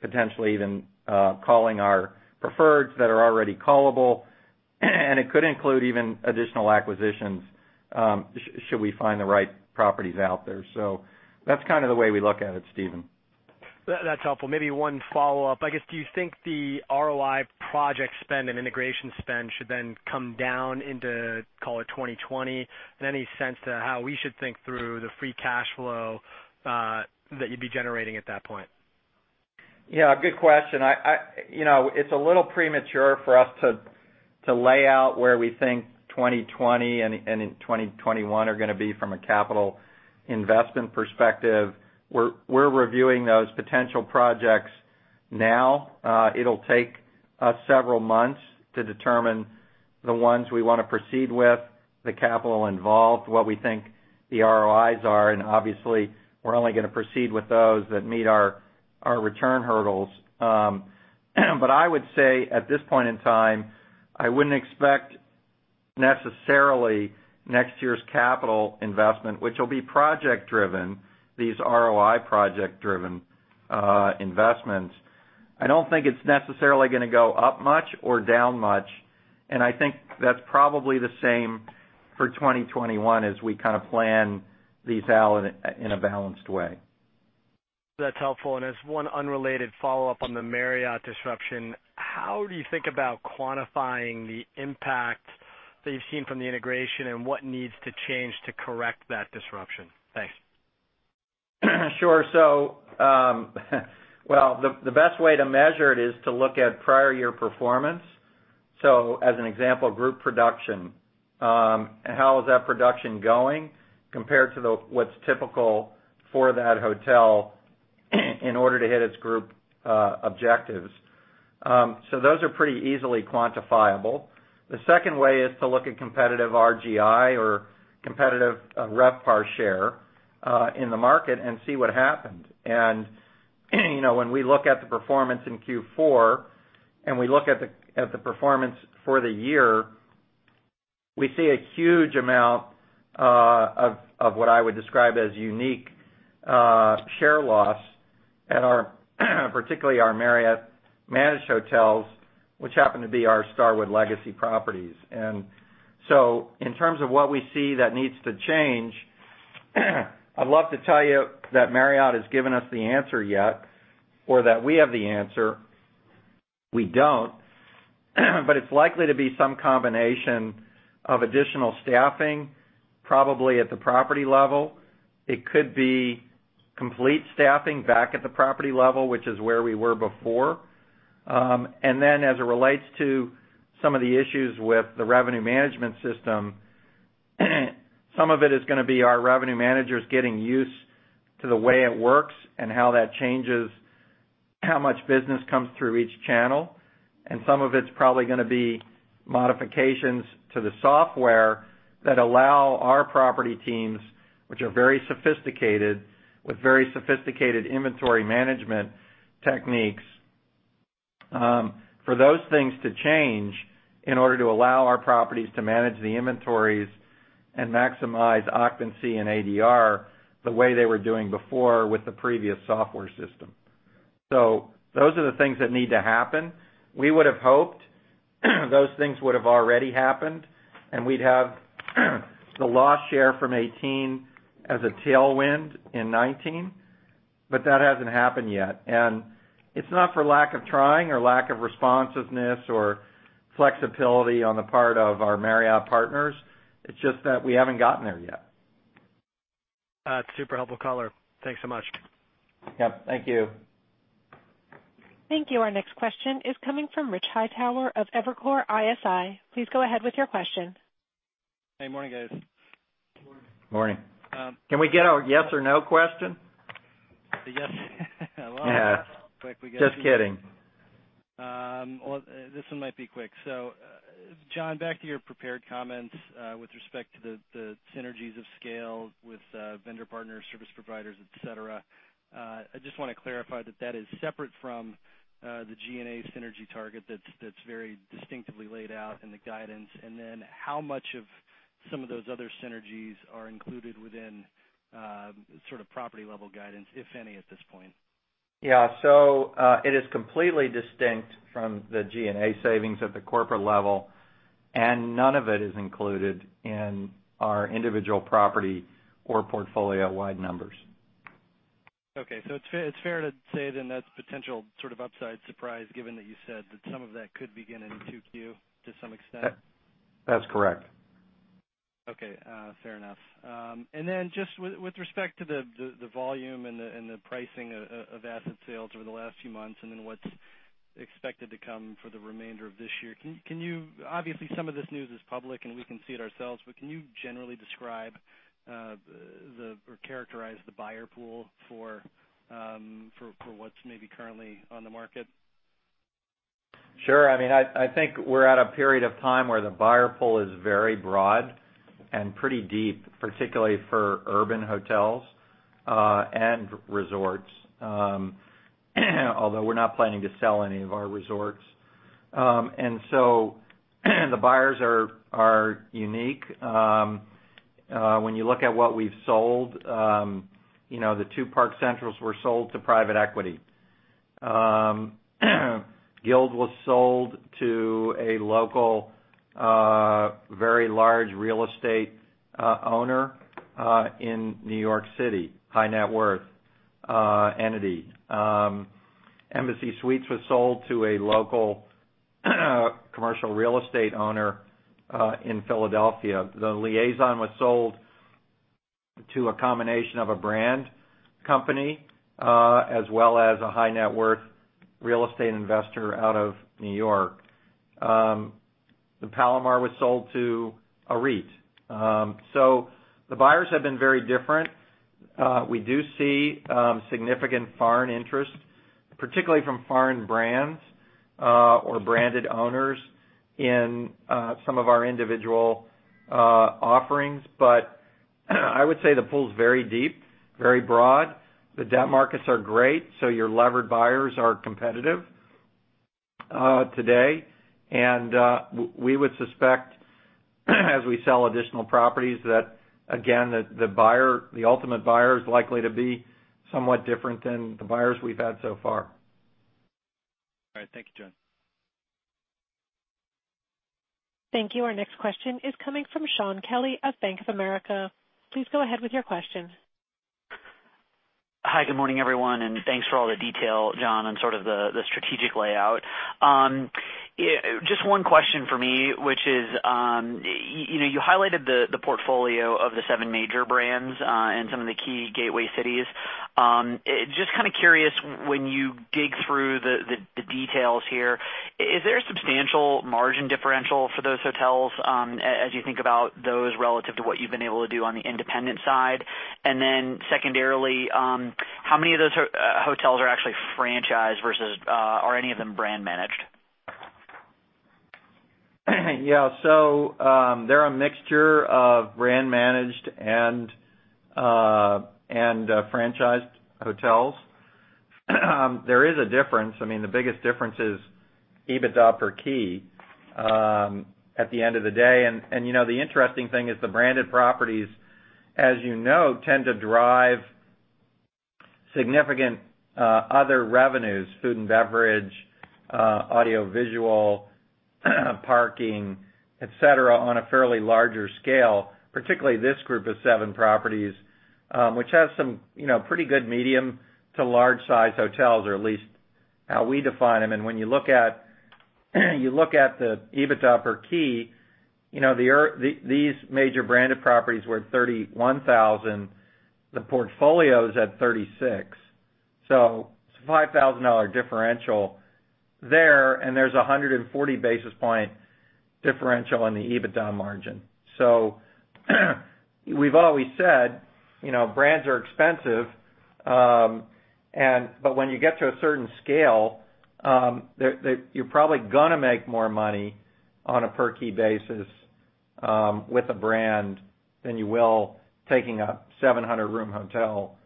potentially even calling our preferreds that are already callable and it could include even additional acquisitions should we find the right properties out there. That's kind of the way we look at it, Stephen. That's helpful. Maybe one follow-up. I guess, do you think the ROI project spend and integration spend should come down into, call it 2020? Any sense to how we should think through the free cash flow that you'd be generating at that point? Yeah, good question. It's a little premature for us to lay out where we think 2020 and 2021 are going to be from a capital investment perspective. We're reviewing those potential projects now. It'll take us several months to determine the ones we want to proceed with, the capital involved, what we think the ROIs are, and obviously, we're only going to proceed with those that meet our return hurdles. I would say, at this point in time, I wouldn't expect necessarily next year's capital investment, which will be project driven, these ROI project-driven investments. I don't think it's necessarily going to go up much or down much, and I think that's probably the same for 2021 as we kind of plan these out in a balanced way. That's helpful. As one unrelated follow-up on the Marriott disruption, how do you think about quantifying the impact that you've seen from the integration and what needs to change to correct that disruption? Thanks. Sure. Well, the best way to measure it is to look at prior year performance. As an example, group production. How is that production going compared to what's typical for that hotel in order to hit its group objectives? Those are pretty easily quantifiable. The second way is to look at competitive RGI or competitive RevPAR share in the market and see what happened. When we look at the performance in Q4, and we look at the performance for the year, we see a huge amount of what I would describe as unique share loss at our particularly our Marriott managed hotels, which happen to be our Starwood legacy properties. In terms of what we see that needs to change, I'd love to tell you that Marriott has given us the answer yet, or that we have the answer. We don't. It's likely to be some combination of additional staffing, probably at the property level. It could be complete staffing back at the property level, which is where we were before. Then as it relates to some of the issues with the revenue management system, some of it is going to be our revenue managers getting used to the way it works and how that changes how much business comes through each channel. Some of it's probably going to be modifications to the software that allow our property teams, which are very sophisticated with very sophisticated inventory management techniques, for those things to change in order to allow our properties to manage the inventories and maximize occupancy and ADR the way they were doing before with the previous software system. Those are the things that need to happen. We would have hoped those things would have already happened, we'd have the loss share from 2018 as a tailwind in 2019. That hasn't happened yet. It's not for lack of trying or lack of responsiveness or flexibility on the part of our Marriott partners. It's just that we haven't gotten there yet. Super helpful color. Thanks so much. Yep, thank you. Thank you. Our next question is coming from Rich Hightower of Evercore ISI. Please go ahead with your question. Hey, morning, guys. Morning. Can we get a yes or no question? Yes. Yeah. Just kidding. This one might be quick. Jon, back to your prepared comments with respect to the synergies of scale with vendor partners, service providers, et cetera. I just want to clarify that that is separate from the G&A synergy target that's very distinctively laid out in the guidance. And then how much of some of those other synergies are included within sort of property-level guidance, if any, at this point? Yeah. It is completely distinct from the G&A savings at the corporate level, and none of it is included in our individual property or portfolio-wide numbers. Okay. It's fair to say then that's potential sort of upside surprise, given that you said that some of that could begin in 2Q to some extent? That's correct. Okay, fair enough. Just with respect to the volume and the pricing of asset sales over the last few months, and then what's expected to come for the remainder of this year. Obviously, some of this news is public and we can see it ourselves. Can you generally describe or characterize the buyer pool for what's maybe currently on the market? Sure. I think we're at a period of time where the buyer pool is very broad and pretty deep, particularly for urban hotels and resorts. Although we're not planning to sell any of our resorts. The buyers are unique. When you look at what we've sold, the two Park Centrals were sold to private equity. Gild was sold to a local, very large real estate owner, in New York City, high net worth entity. Embassy Suites was sold to a local commercial real estate owner in Philadelphia. The Liaison was sold to a combination of a brand company, as well as a high net worth real estate investor out of New York. The Palomar was sold to a REIT. The buyers have been very different. We do see significant foreign interest, particularly from foreign brands, or branded owners in some of our individual offerings. I would say the pool's very deep, very broad. The debt markets are great, so your levered buyers are competitive, today. We would suspect as we sell additional properties, that, again, the ultimate buyer is likely to be somewhat different than the buyers we've had so far. All right. Thank you, Jon. Thank you. Our next question is coming from Shaun Kelley of Bank of America. Please go ahead with your question. Hi, good morning, everyone, thanks for all the detail, Jon, on sort of the strategic layout. Just one question from me, which is, you highlighted the portfolio of the seven major brands, and some of the key gateway cities. Just kind of curious, when you dig through the details here, is there a substantial margin differential for those hotels, as you think about those relative to what you've been able to do on the independent side? Secondarily, how many of those hotels are actually franchised versus, are any of them brand-managed? Yeah. They're a mixture of brand-managed and franchised hotels. There is a difference. I mean, the biggest difference is EBITDA per key, at the end of the day. The interesting thing is the branded properties, as you know, tend to drive significant other revenues, food and beverage, audio visual, parking, et cetera, on a fairly larger scale, particularly this group of seven properties, which has some pretty good medium to large size hotels, or at least how we define them. When you look at the EBITDA per key, these major branded properties were at $31,000. The portfolio's at $36,000. It's a $5,000 differential there, and there's 140 basis point differential on the EBITDA margin. We've always said, brands are expensive. When you get to a certain scale, you're probably gonna make more money on a per key basis with a brand than you will taking a 700 room hotel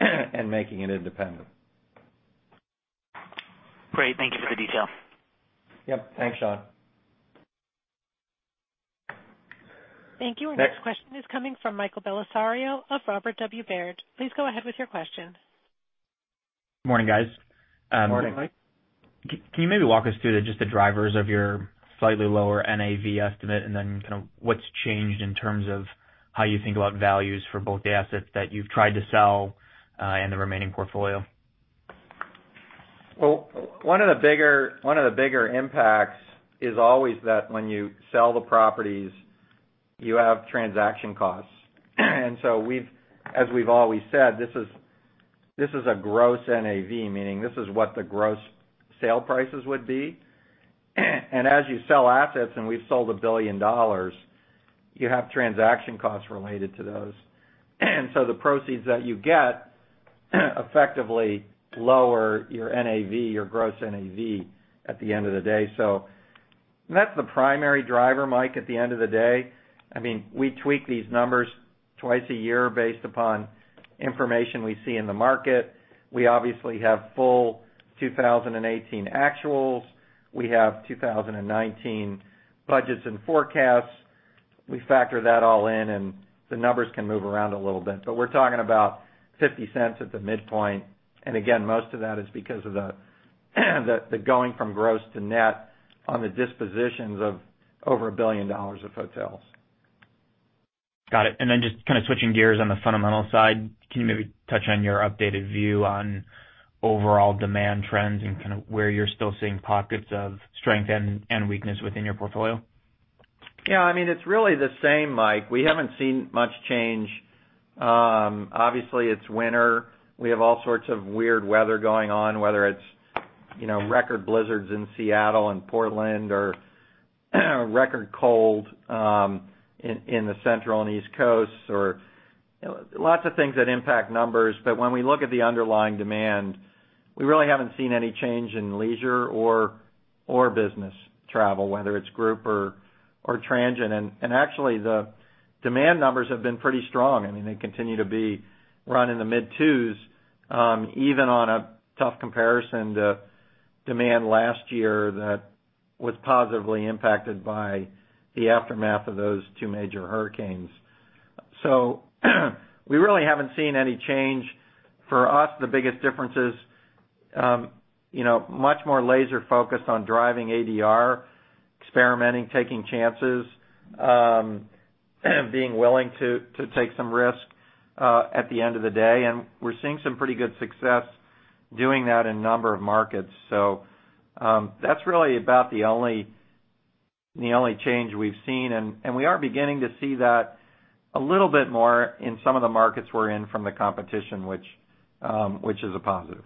and making it independent. Great. Thank you for the detail. Yep. Thanks, Shaun. Thank you. Next. Our next question is coming from Michael Bellisario of Robert W. Baird. Please go ahead with your question. Morning, guys. Morning, Mike. Can you maybe walk us through just the drivers of your slightly lower NAV estimate, then kind of what's changed in terms of how you think about values for both the assets that you've tried to sell, and the remaining portfolio? Well, one of the bigger impacts is always that when you sell the properties, you have transaction costs. So as we've always said, this is a gross NAV, meaning this is what the gross sale prices would be. As you sell assets, and we've sold a billion dollars, you have transaction costs related to those. The proceeds that you get, effectively lower your NAV, your gross NAV, at the end of the day. That's the primary driver, Mike, at the end of the day. We tweak these numbers twice a year based upon information we see in the market. We obviously have full 2018 actuals. We have 2019 budgets and forecasts. We factor that all in and the numbers can move around a little bit. We're talking about $0.50 at the midpoint. Again, most of that is because of the going from gross to net on the dispositions of over a billion dollars of hotels. Got it. Then just kind of switching gears on the fundamental side, can you maybe touch on your updated view on overall demand trends and kind of where you're still seeing pockets of strength and weakness within your portfolio? Yeah, it's really the same, Mike. We haven't seen much change. Obviously, it's winter. We have all sorts of weird weather going on, whether it's record blizzards in Seattle and Portland, or record cold in the central and East Coast, or lots of things that impact numbers. When we look at the underlying demand, we really haven't seen any change in leisure or business travel, whether it's group or transient. Actually, the demand numbers have been pretty strong. They continue to be right in the mid twos, even on a tough comparison to demand last year that was positively impacted by the aftermath of those two major hurricanes. We really haven't seen any change. For us, the biggest difference is much more laser-focused on driving ADR, experimenting, taking chances, being willing to take some risk at the end of the day. We're seeing some pretty good success doing that in a number of markets. That's really about the only change we've seen, and we are beginning to see that a little bit more in some of the markets we're in from the competition, which is a positive.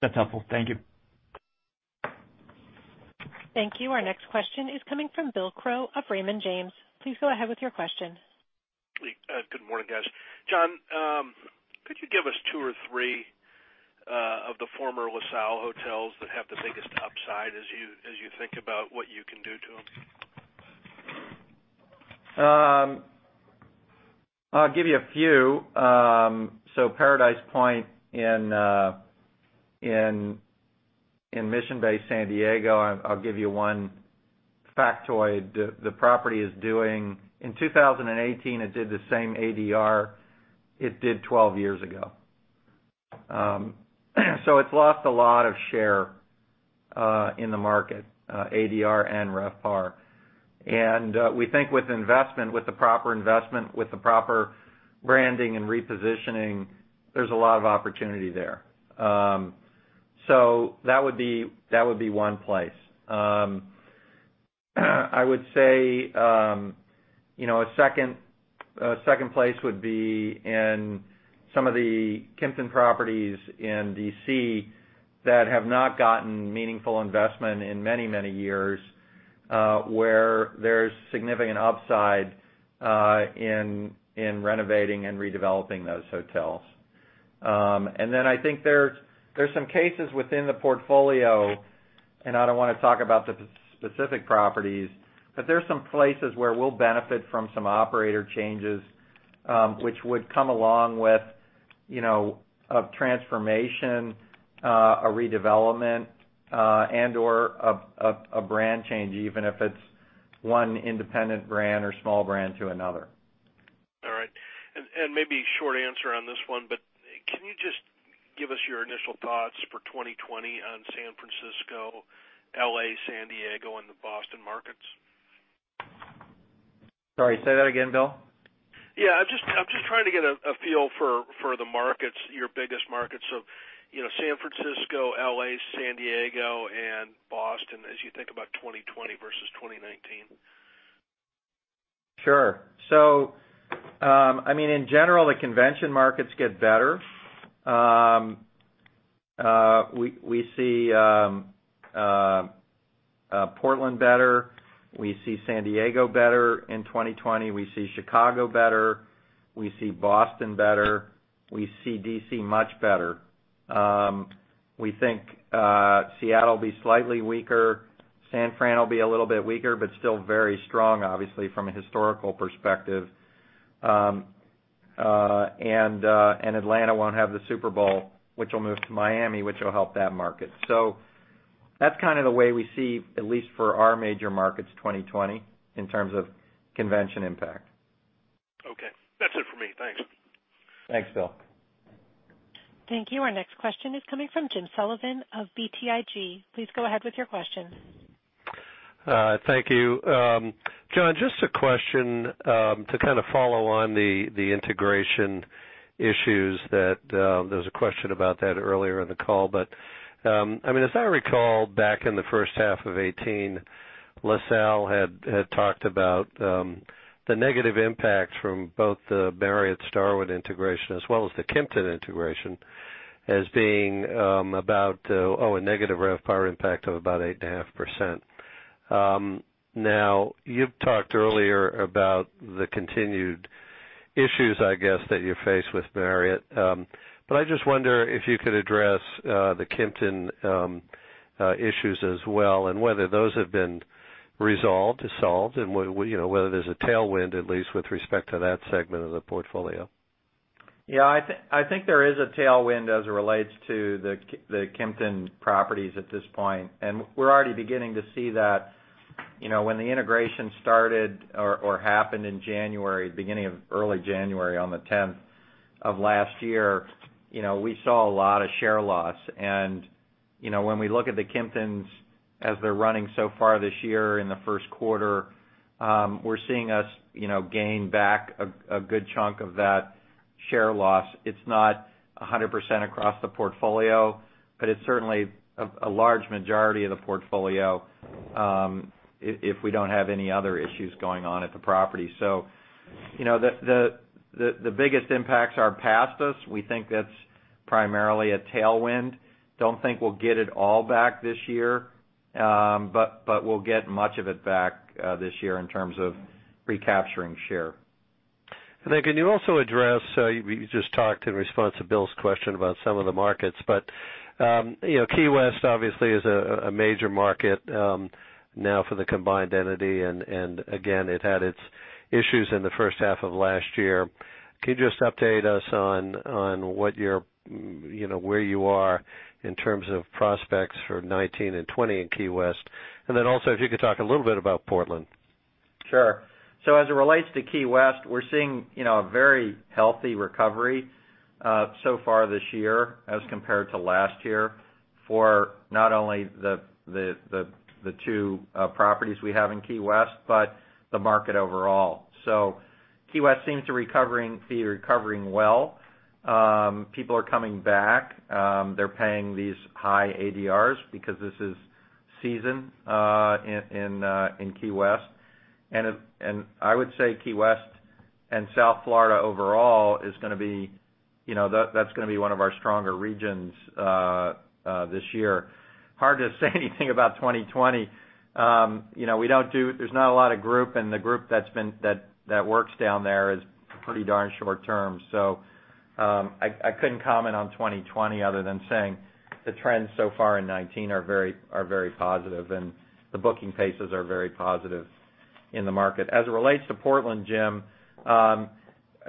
That's helpful. Thank you. Thank you. Our next question is coming from Bill Crow of Raymond James. Please go ahead with your question. Good morning, guys. Jon, could you give us two or three of the former LaSalle hotels that have the biggest upside as you think about what you can do to them? I'll give you a few. Paradise Point in Mission Bay, San Diego, I'll give you one factoid. In 2018, it did the same ADR it did 12 years ago. It's lost a lot of share in the market, ADR and RevPAR. We think with investment, with the proper investment, with the proper branding and repositioning, there's a lot of opportunity there. That would be one place. I would say a second place would be in some of the Kimpton properties in D.C. that have not gotten meaningful investment in many years, where there's significant upside in renovating and redeveloping those hotels. I think there's some cases within the portfolio, and I don't want to talk about the specific properties, but there's some places where we'll benefit from some operator changes, which would come along with a transformation, a redevelopment, and or a brand change, even if it's one independent brand or small brand to another. All right. Maybe short answer on this one, but can you just give us your initial thoughts for 2020 on San Francisco, L.A., San Diego, and the Boston markets? Sorry, say that again, Bill. Yeah, I'm just trying to get a feel for the markets, your biggest markets of San Francisco, L.A., San Diego, and Boston, as you think about 2020 versus 2019. Sure. In general, the convention markets get better. We see Portland better. We see San Diego better in 2020. We see Chicago better. We see Boston better. We see D.C. much better. We think Seattle will be slightly weaker. San Fran will be a little bit weaker, but still very strong, obviously, from a historical perspective. Atlanta won't have the Super Bowl, which will move to Miami, which will help that market. That's kind of the way we see, at least for our major markets, 2020 in terms of convention impact. Okay. That's it for me, thanks. Thanks, Bill. Thank you. Our next question is coming from James Sullivan of BTIG. Please go ahead with your question. Thank you. Jon, just a question to kind of follow on the integration issues that there was a question about that earlier in the call. As I recall, back in the first half of 2018, LaSalle had talked about the negative impact from both the Marriott-Starwood integration as well as the Kimpton integration as being about a negative RevPAR impact of about 8.5%. You've talked earlier about the continued issues, I guess, that you face with Marriott. I just wonder if you could address the Kimpton issues as well, and whether those have been resolved, dissolved, and whether there's a tailwind, at least with respect to that segment of the portfolio. I think there is a tailwind as it relates to the Kimpton properties at this point, we're already beginning to see that. When the integration started or happened in January, beginning early January on the 10th of last year, we saw a lot of share loss. When we look at the Kimptons as they're running so far this year in the first quarter, we're seeing us gain back a good chunk of that share loss. It's not 100% across the portfolio, but it's certainly a large majority of the portfolio, if we don't have any other issues going on at the property. The biggest impacts are past us. We think that's primarily a tailwind. Don't think we'll get it all back this year, but we'll get much of it back this year in terms of recapturing share. Can you also address, you just talked in response to Bill's question about some of the markets, Key West obviously is a major market now for the combined entity, again, it had its issues in the first half of last year. Can you just update us on where you are in terms of prospects for 2019 and 2020 in Key West? Also, if you could talk a little bit about Portland. Sure. As it relates to Key West, we're seeing a very healthy recovery so far this year as compared to last year for not only the two properties we have in Key West, but the market overall. Key West seems to be recovering well. People are coming back. They're paying these high ADRs because this is season in Key West. I would say Key West and South Florida overall, that's going to be one of our stronger regions this year. Hard to say anything about 2020. There's not a lot of group, the group that works down there is pretty darn short-term. I couldn't comment on 2020 other than saying the trends so far in 2019 are very positive, the booking paces are very positive in the market. As it relates to Portland, James,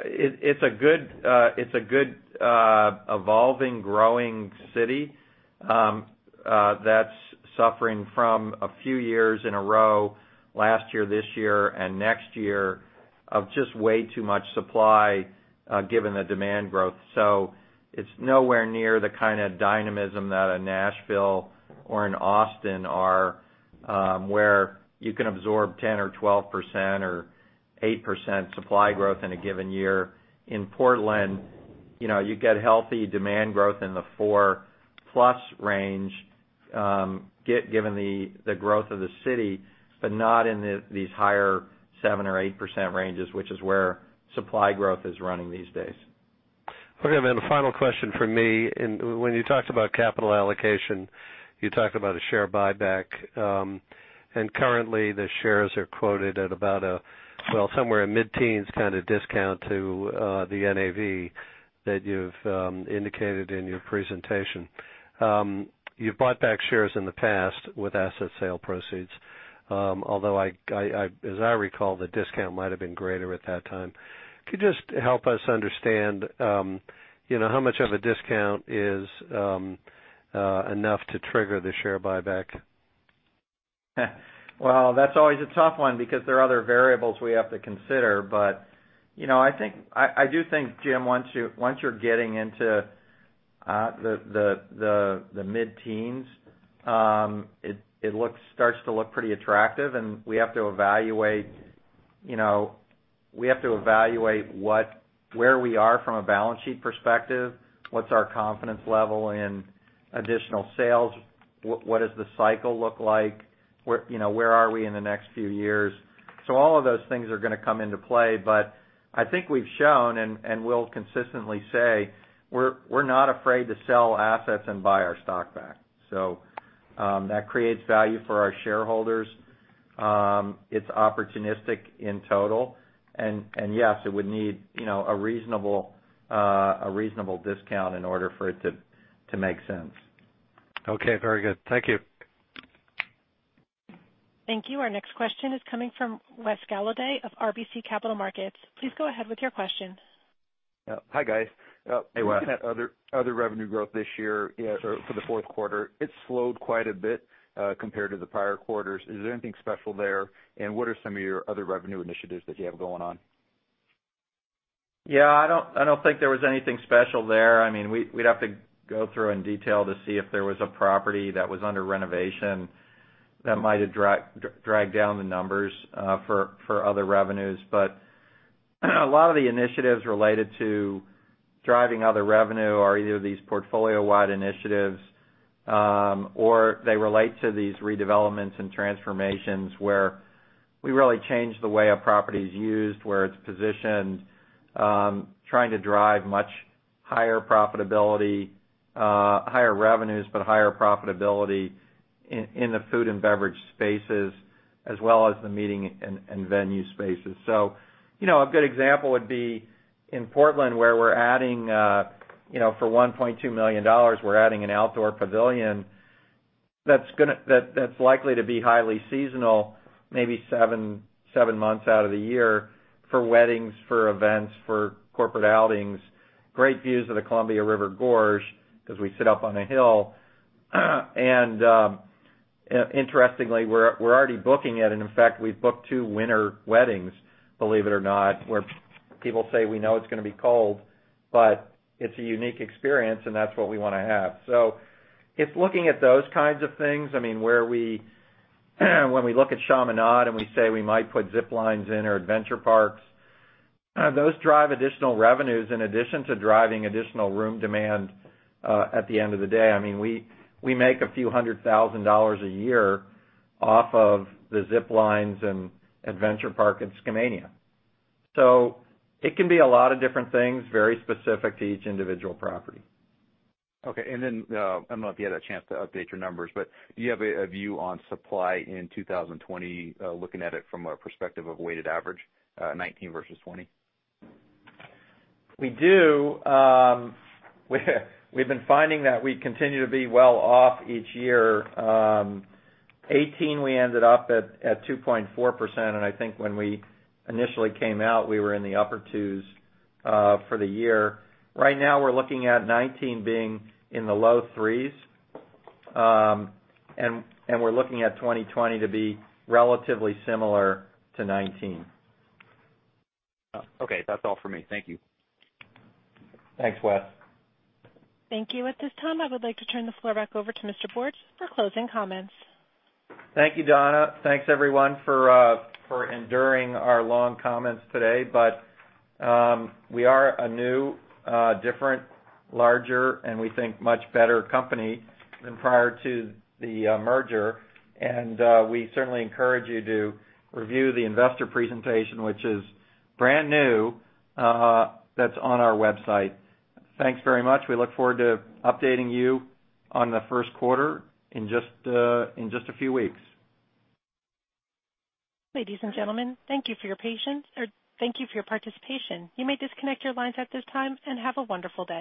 it's a good evolving, growing city that's suffering from a few years in a row, last year, this year, and next year, of just way too much supply given the demand growth. It's nowhere near the kind of dynamism that a Nashville or an Austin are, where you can absorb 10% or 12% or 8% supply growth in a given year. In Portland, you get healthy demand growth in the four-plus range given the growth of the city, but not in these higher 7% or 8% ranges, which is where supply growth is running these days. The final question from me, when you talked about capital allocation, you talked about a share buyback. Currently, the shares are quoted at about, well, somewhere in mid-teens discount to the NAV that you've indicated in your presentation. You've bought back shares in the past with asset sale proceeds, although as I recall, the discount might have been greater at that time. Could you just help us understand, how much of a discount is enough to trigger the share buyback? Well, that's always a tough one because there are other variables we have to consider. I do think, James, once you're getting into the mid-teens, it starts to look pretty attractive, and we have to evaluate where we are from a balance sheet perspective, what's our confidence level in additional sales, what does the cycle look like, where are we in the next few years. All of those things are going to come into play, I think we've shown, and will consistently say, we're not afraid to sell assets and buy our stock back. That creates value for our shareholders. It's opportunistic in total. Yes, it would need a reasonable discount in order for it to make sense. Okay, very good. Thank you. Thank you. Our next question is coming from Wes Golladay of RBC Capital Markets. Please go ahead with your question. Hi, guys. Hey, Wes. Looking at other revenue growth this year for the fourth quarter, it slowed quite a bit compared to the prior quarters. Is there anything special there? What are some of your other revenue initiatives that you have going on? Yeah, I don't think there was anything special there. We'd have to go through in detail to see if there was a property that was under renovation that might've dragged down the numbers for other revenues. A lot of the initiatives related to driving other revenue are either these portfolio-wide initiatives, or they relate to these redevelopments and transformations where we really change the way a property is used, where it's positioned, trying to drive much higher profitability, higher revenues, but higher profitability in the food and beverage spaces as well as the meeting and venue spaces. A good example would be in Portland where we're adding, for $1.2 million, we're adding an outdoor pavilion that's likely to be highly seasonal, maybe seven months out of the year for weddings, for events, for corporate outings. Great views of the Columbia River Gorge because we sit up on a hill. Interestingly, we're already booking it. In fact, we've booked two winter weddings, believe it or not, where people say, we know it's going to be cold, but it's a unique experience, and that's what we want to have. It's looking at those kinds of things, where when we look at Chaminade and we say we might put zip lines in or adventure parks, those drive additional revenues in addition to driving additional room demand at the end of the day. We make a few hundred thousand dollars a year off of the zip lines and adventure park at Skamania. It can be a lot of different things, very specific to each individual property. Okay. Then, I don't know if you had a chance to update your numbers, but do you have a view on supply in 2020, looking at it from a perspective of weighted average 2019 versus 2020? We do. We've been finding that we continue to be well off each year. 2018, we ended up at 2.4%, and I think when we initially came out, we were in the upper twos for the year. Right now, we're looking at 2019 being in the low threes, and we're looking at 2020 to be relatively similar to 2019. Okay. That's all for me. Thank you. Thanks, Wes. Thank you. At this time, I would like to turn the floor back over to Mr. Bortz for closing comments. Thank you, Donna. Thanks, everyone, for enduring our long comments today. We are a new, different, larger, and we think much better company than prior to the merger. We certainly encourage you to review the investor presentation, which is brand new, that's on our website. Thanks very much. We look forward to updating you on the first quarter in just a few weeks. Ladies and gentlemen, thank you for your participation. You may disconnect your lines at this time, and have a wonderful day.